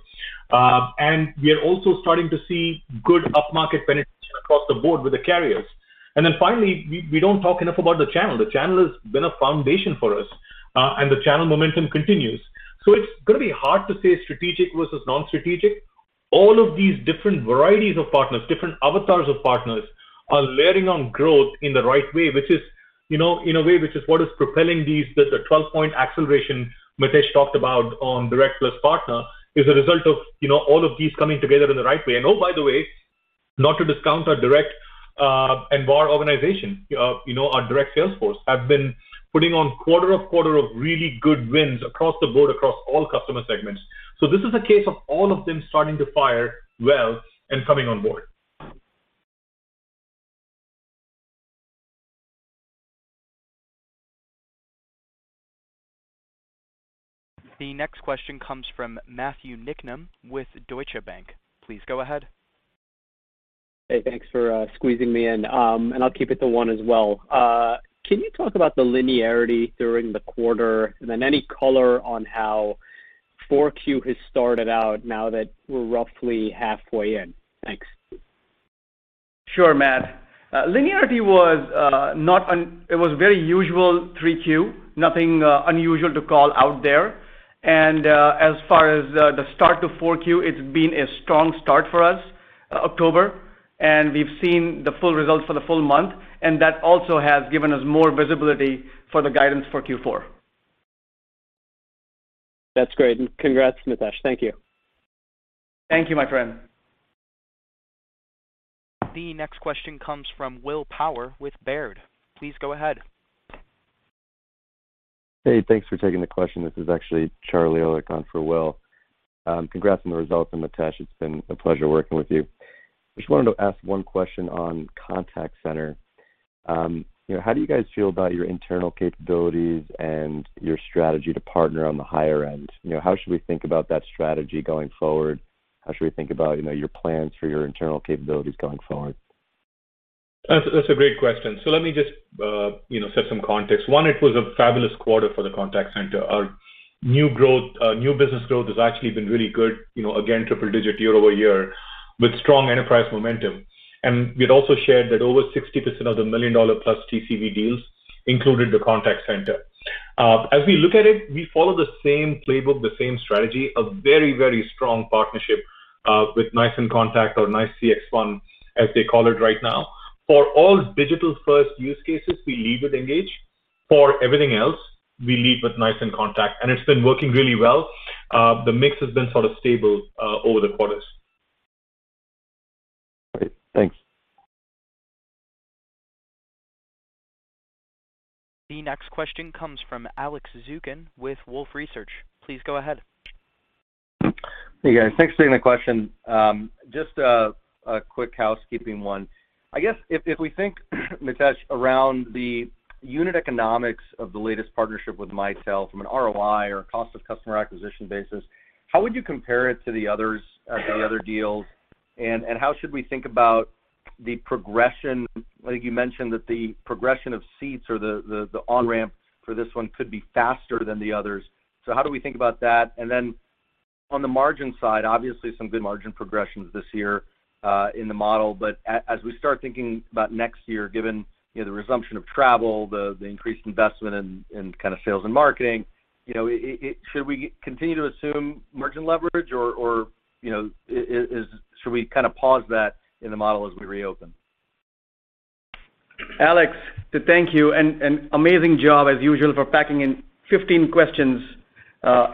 We are also starting to see good upmarket penetration across the board with the carriers. Finally, we don't talk enough about the channel. The channel has been a foundation for us, and the channel momentum continues. It's gonna be hard to say strategic versus non-strategic. All of these different varieties of partners, different avatars of partners are layering on growth in the right way, which is, you know, in a way, which is what is propelling the 12-point acceleration Mitesh talked about on direct plus partner is a result of, you know, all of these coming together in the right way. Oh, by the way, not to discount our direct and VAR organization. You know, our direct sales force have been putting on quarter-over-quarter really good wins across the board across all customer segments. This is a case of all of them starting to fire well and coming on board. The next question comes from Matthew Niknam with Deutsche Bank. Please go ahead. Hey, thanks for squeezing me in. I'll keep it to one as well. Can you talk about the linearity during the quarter and then any color on how Q4 has started out now that we're roughly halfway in? Thanks. Sure, Matt. Linearity was very usual 3Q. Nothing unusual to call out there. As far as the start to 4Q, it's been a strong start for us, October, and we've seen the full results for the full month, and that also has given us more visibility for the guidance for Q4. That's great. Congrats, Mitesh. Thank you. Thank you, my friend. The next question comes from Will Power with Baird. Please go ahead. Hey, thanks for taking the question. This is actually Charlie Erlikh on for Will. Congrats on the results, and Mitesh, it's been a pleasure working with you. Just wanted to ask one question on contact center. You know, how do you guys feel about your internal capabilities and your strategy to partner on the higher end? You know, how should we think about that strategy going forward? How should we think about, you know, your plans for your internal capabilities going forward? That's a great question. Let me just, you know, set some context. One, it was a fabulous quarter for the contact center. Our new growth, new business growth has actually been really good, you know, again, triple-digit year-over-year with strong enterprise momentum. We'd also shared that over 60% of the $1+ million TCV deals included the contact center. As we look at it, we follow the same playbook, the same strategy, a very, very strong partnership with NICE inContact or NICE CXone, as they call it right now. For all digital-first use cases, we lead with Engage. For everything else, we lead with NICE inContact, and it's been working really well. The mix has been sort of stable over the quarters. Great. Thanks. The next question comes from Alex Zukin with Wolfe Research. Please go ahead. Hey, guys. Thanks for taking the question. Just a quick housekeeping one. I guess if we think, Mitesh, around the unit economics of the latest partnership with Mitel from an ROI or cost of customer acquisition basis, how would you compare it to the others, to the other deals? How should we think about the progression. I think you mentioned that the progression of seats or the on-ramp for this one could be faster than the others. How do we think about that? Then on the margin side, obviously some good margin progressions this year, in the model. As we start thinking about next year, given you know the resumption of travel, the increased investment in kind of sales and marketing, you know, should we continue to assume margin leverage or you know should we kinda pause that in the model as we reopen? Alex, thank you, and an amazing job as usual for packing in 15 questions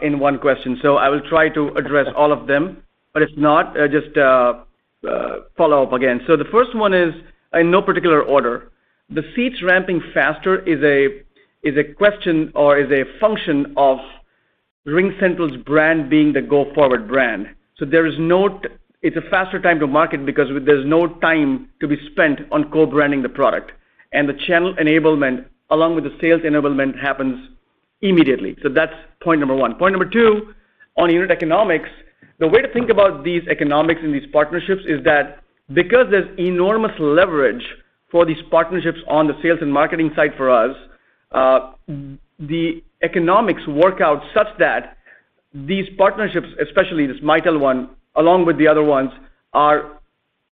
in one question. I will try to address all of them, but if not, just follow up again. The first one is, in no particular order, the seats ramping faster is a question or is a function of RingCentral's brand being the go-forward brand. There is it's a faster time to market because there's no time to be spent on co-branding the product. The channel enablement along with the sales enablement happens immediately. That's point number one. Point number two, on unit economics, the way to think about these economics in these partnerships is that because there's enormous leverage for these partnerships on the sales and marketing side for us, the economics work out such that these partnerships, especially this Mitel one, along with the other ones, are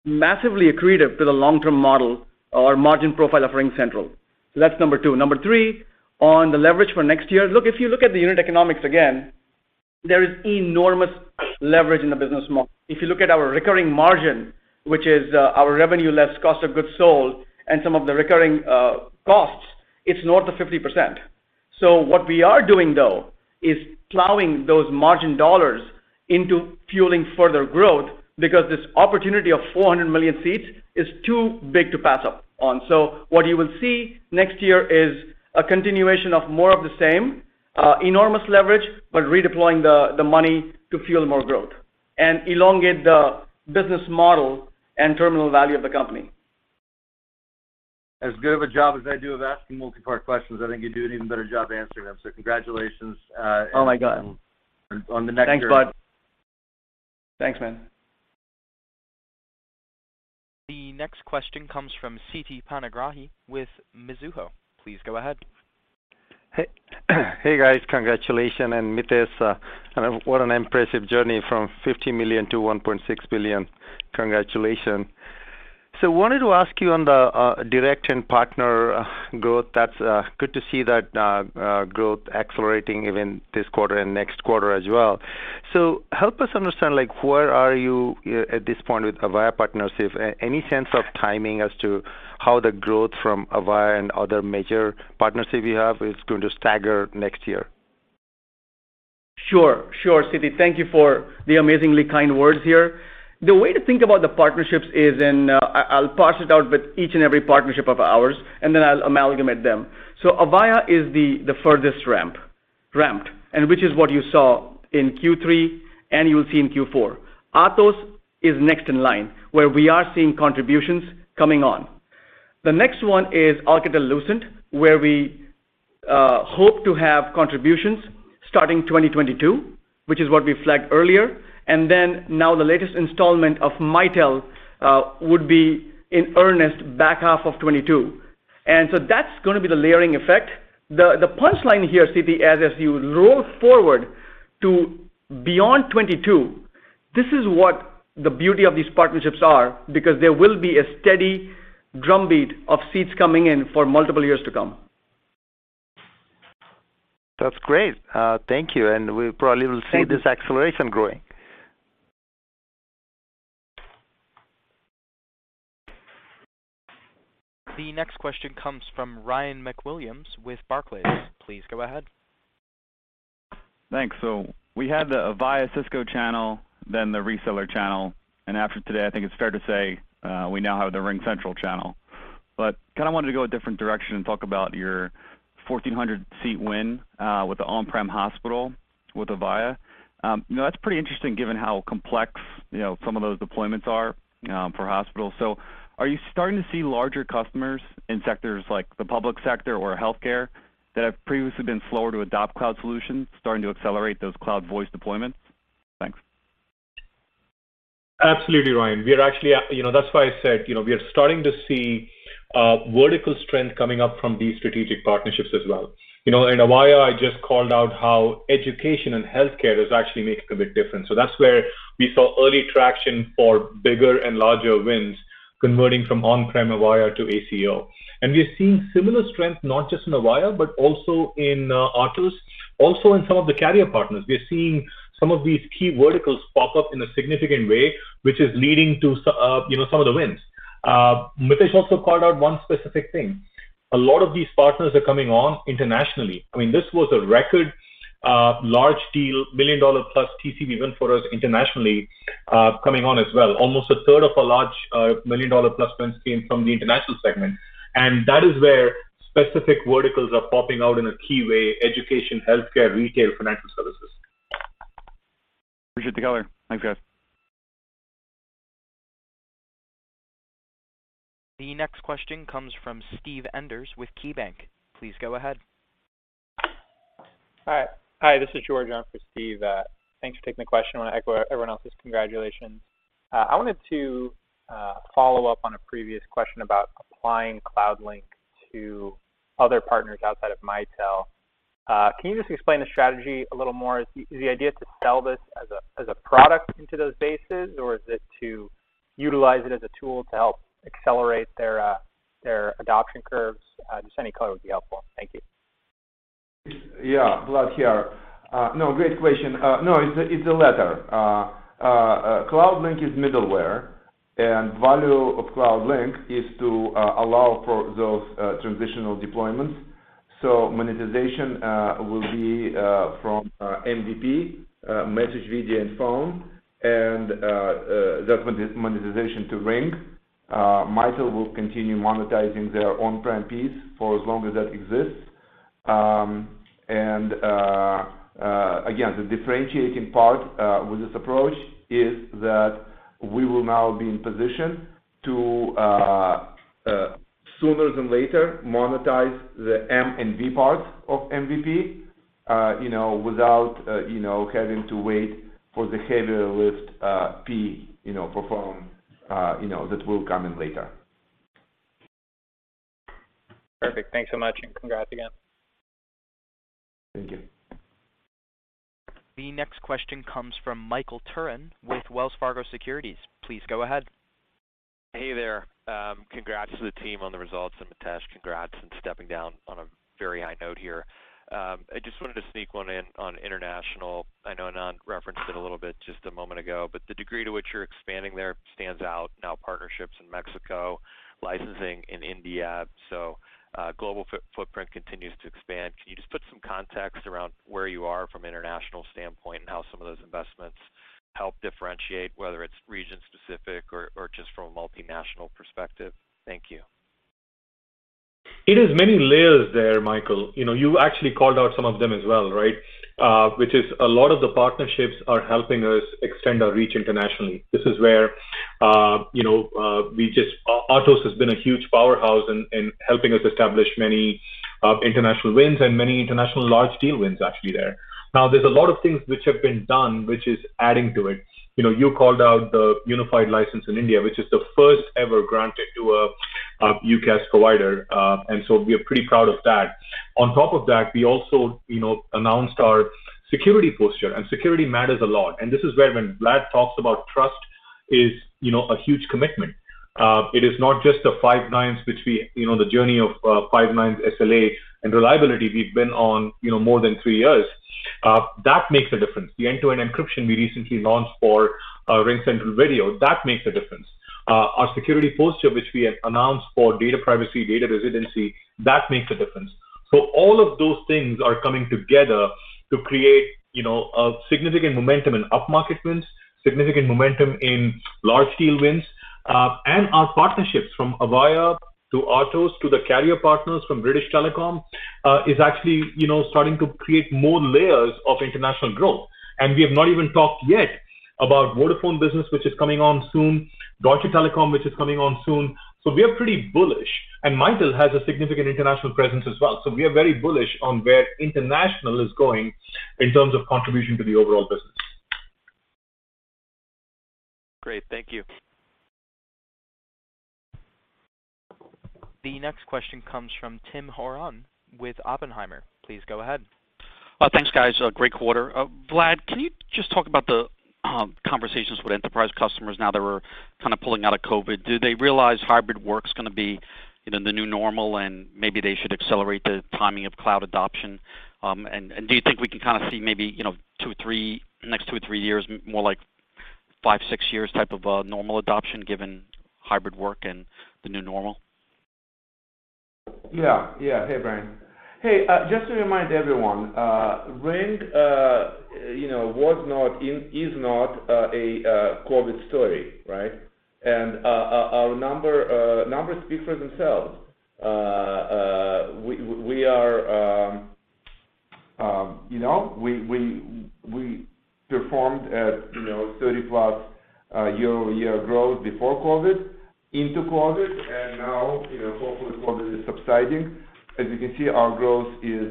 massively accretive to the long-term model or margin profile of RingCentral. That's number two. Number three, on the leverage for next year. Look, if you look at the unit economics again, there is enormous leverage in the business model. If you look at our recurring margin, which is our revenue less cost of goods sold and some of the recurring costs, it's north of 50%. What we are doing, though, is plowing those margin dollars into fueling further growth because this opportunity of 400 million seats is too big to pass up on. What you will see next year is a continuation of more of the same, enormous leverage, but redeploying the money to fuel more growth and elongate the business model and terminal value of the company. As good of a job as I do of asking multi-part questions, I think you do an even better job answering them. So congratulations, Oh, my God. On the next year. Thanks, bud. Thanks, man. The next question comes from Siti Panigrahi with Mizuho. Please go ahead. Hey. Hey, guys. Congratulations. And Mitesh, what an impressive journey from $50 million to $1.6 billion. Congratulations. Wanted to ask you on the direct and partner growth. That's good to see that growth accelerating even this quarter and next quarter as well. Help us understand, like, where are you at this point with Avaya partnership? Any sense of timing as to how the growth from Avaya and other major partnership you have is going to stagger next year? Sure. Sure, Siti. Thank you for the amazingly kind words here. The way to think about the partnerships is in. I'll parse it out with each and every partnership of ours, and then I'll amalgamate them. Avaya is the furthest ramped, which is what you saw in Q3, and you'll see in Q4. Atos is next in line, where we are seeing contributions coming on. The next one is Alcatel-Lucent, where we hope to have contributions starting 2022, which is what we flagged earlier. Then now the latest installment of Mitel would be in earnest back half of 2022. That's gonna be the layering effect. The punchline here, Siti, as you roll forward to beyond 2022, this is what the beauty of these partnerships are, because there will be a steady drumbeat of seats coming in for multiple years to come. That's great. Thank you. We probably will see. Thank you. This acceleration growing. The next question comes from Ryan MacWilliams with Barclays. Please go ahead. Thanks. We had the Avaya Cisco channel, then the reseller channel, and after today, I think it's fair to say, we now have the RingCentral channel. Kind of wanted to go a different direction and talk about your 1,400-seat win, with the on-prem hospital with Avaya. You know, that's pretty interesting given how complex, you know, some of those deployments are, for hospitals. Are you starting to see larger customers in sectors like the public sector or healthcare that have previously been slower to adopt cloud solutions starting to accelerate those cloud voice deployments? Thanks. Absolutely, Ryan. You know, that's why I said, you know, we are starting to see vertical strength coming up from these strategic partnerships as well. You know, in Avaya, I just called out how education and healthcare is actually making a big difference. That's where we saw early traction for bigger and larger wins converting from on-prem Avaya to ACO. We are seeing similar strength, not just in Avaya, but also in Atos, also in some of the carrier partners. We are seeing some of these key verticals pop up in a significant way, which is leading to, you know, some of the wins. Mitesh also called out one specific thing. A lot of these partners are coming on internationally. I mean, this was a record, large deal, million-dollar plus TCV win for us internationally, coming on as well. Almost a third of our large, million-dollar plus wins came from the international segment, and that is where specific verticals are popping out in a key way, education, healthcare, retail, financial services. Appreciate the color. Thanks, guys. The next question comes from Steve Enders with KeyBanc Capital Markets. Please go ahead. All right. Hi, this is George in for Steve. Thanks for taking the question. I wanna echo everyone else's congratulations. I wanted to follow up on a previous question about applying CloudLink to other partners outside of Mitel. Can you just explain the strategy a little more? Is the idea to sell this as a product into those bases, or is it to utilize it as a tool to help accelerate their adoption curves? Just any color would be helpful. Thank you. Yeah. Vlad here. No, great question. No, it's the latter. CloudLink is middleware, and value of CloudLink is to allow for those transitional deployments. So monetization will be from MVP, Message, Video, and Phone, and that monetization to Ring. Mitel will continue monetizing their on-prem piece for as long as that exists. Again, the differentiating part with this approach is that we will now be in position to sooner than later, monetize the M and V part of MVP, you know, without you know, having to wait for the heavier lift, P, you know, for phone, you know, that will come in later. Perfect. Thanks so much, and congrats again. Thank you. The next question comes from Michael Turrin with Wells Fargo. Please go ahead. Hey there. Congrats to the team on the results. Mitesh, congrats on stepping down on a very high note here. I just wanted to sneak one in on international. I know Anand referenced it a little bit just a moment ago, but the degree to which you're expanding there stands out. Now partnerships in Mexico, licensing in India, so, global footprint continues to expand. Can you just put some context around where you are from international standpoint and how some of those investments help differentiate, whether it's region-specific or just from a multinational perspective? Thank you. It is many layers there, Michael. You know, you actually called out some of them as well, right? Which is a lot of the partnerships are helping us extend our reach internationally. This is where, you know, Atos has been a huge powerhouse in helping us establish many of international wins and many international large deal wins actually there. Now there's a lot of things which have been done, which is adding to it. You know, you called out the unified license in India, which is the first ever granted to a UCaaS provider. We are pretty proud of that. On top of that, we also, you know, announced our security posture, and security matters a lot. This is where when Vlad talks about trust is, you know, a huge commitment. It is not just the five nines. You know, the journey of five nines SLA and reliability we've been on, you know, more than three years. That makes a difference. The end-to-end encryption we recently launched for RingCentral Video, that makes a difference. Our security posture, which we have announced for data privacy, data residency, that makes a difference. All of those things are coming together to create, you know, a significant momentum in upmarket wins, significant momentum in large deal wins. Our partnerships from Avaya to Atos to the carrier partners from British Telecom is actually, you know, starting to create more layers of international growth. We have not even talked yet about Vodafone Business, which is coming on soon, Deutsche Telekom, which is coming on soon. We are pretty bullish. Mitel has a significant international presence as well. We are very bullish on where international is going in terms of contribution to the overall business. Great. Thank you. The next question comes from Tim Horan with Oppenheimer. Please go ahead. Thanks, guys. A great quarter. Vlad, can you just talk about the conversations with enterprise customers now that we're kind of pulling out of COVID-19? Do they realize hybrid work's gonna be, you know, the new normal, and maybe they should accelerate the timing of cloud adoption? And do you think we can kind of see maybe, you know, next two to three years, more like five to six years type of normal adoption given hybrid work and the new normal? Yeah. Hey, Brian. Hey, just to remind everyone, Ring, you know, was not, is not a COVID story, right? Our numbers speak for themselves. We are, you know, we performed at 30+ year-over-year growth before COVID into COVID, and now, you know, hopefully COVID is subsiding. As you can see, our growth is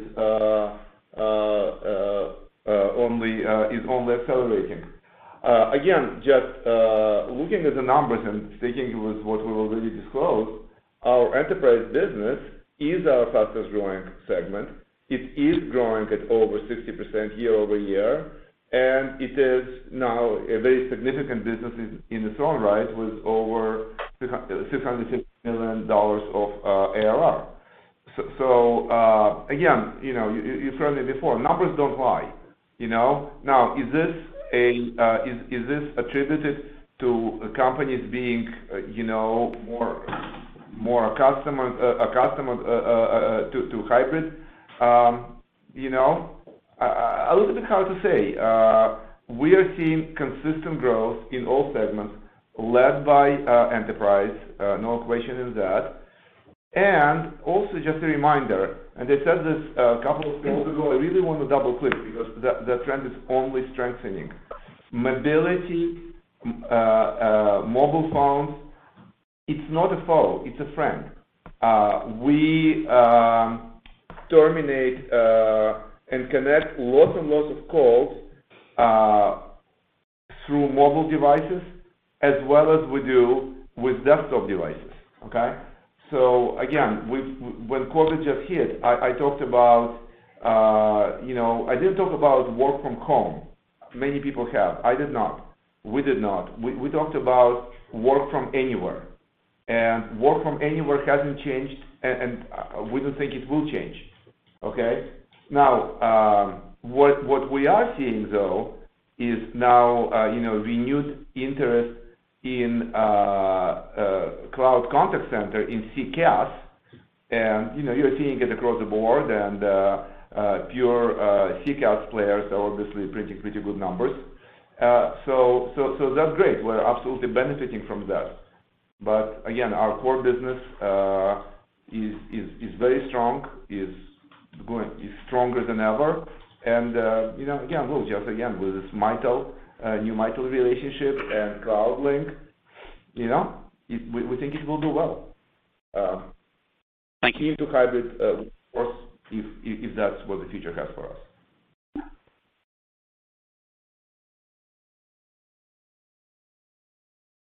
only accelerating. Again, just looking at the numbers and sticking with what we already disclosed, our enterprise business is our fastest growing segment. It is growing at over 60% year-over-year, and it is now a very significant business in its own right with over $660 million of ARR. Again, you know, you've heard me before, numbers don't lie, you know. Now, is this attributed to companies being, you know, more accustomed to hybrid? You know, a little bit hard to say. We are seeing consistent growth in all segments led by enterprise. No question in that. Also just a reminder, I said this a couple of quarters ago, I really want to double-click because the trend is only strengthening. Mobility, mobile phones, it's not a foe, it's a friend. We terminate and connect lots and lots of calls through mobile devices as well as we do with desktop devices. Okay? When COVID just hit, I talked about, you know. I didn't talk about work from home. Many people have. I did not. We did not. We talked about work from anywhere. Work from anywhere hasn't changed, and we don't think it will change. Okay. Now, what we are seeing though is renewed interest in cloud contact center in CCaaS. You know, you're seeing it across the board and pure CCaaS players are obviously printing pretty good numbers. So that's great. We're absolutely benefiting from that. Again, our core business is very strong, is stronger than ever. Again, we'll just with this Mitel new Mitel relationship and CloudLink, you know, we think it will do well. Thank you. We're keen to hybrid, of course, if that's what the future has for us.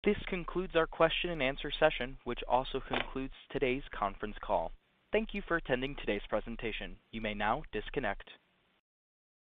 This concludes our question and answer session, which also concludes today's conference call. Thank you for attending today's presentation. You may now disconnect.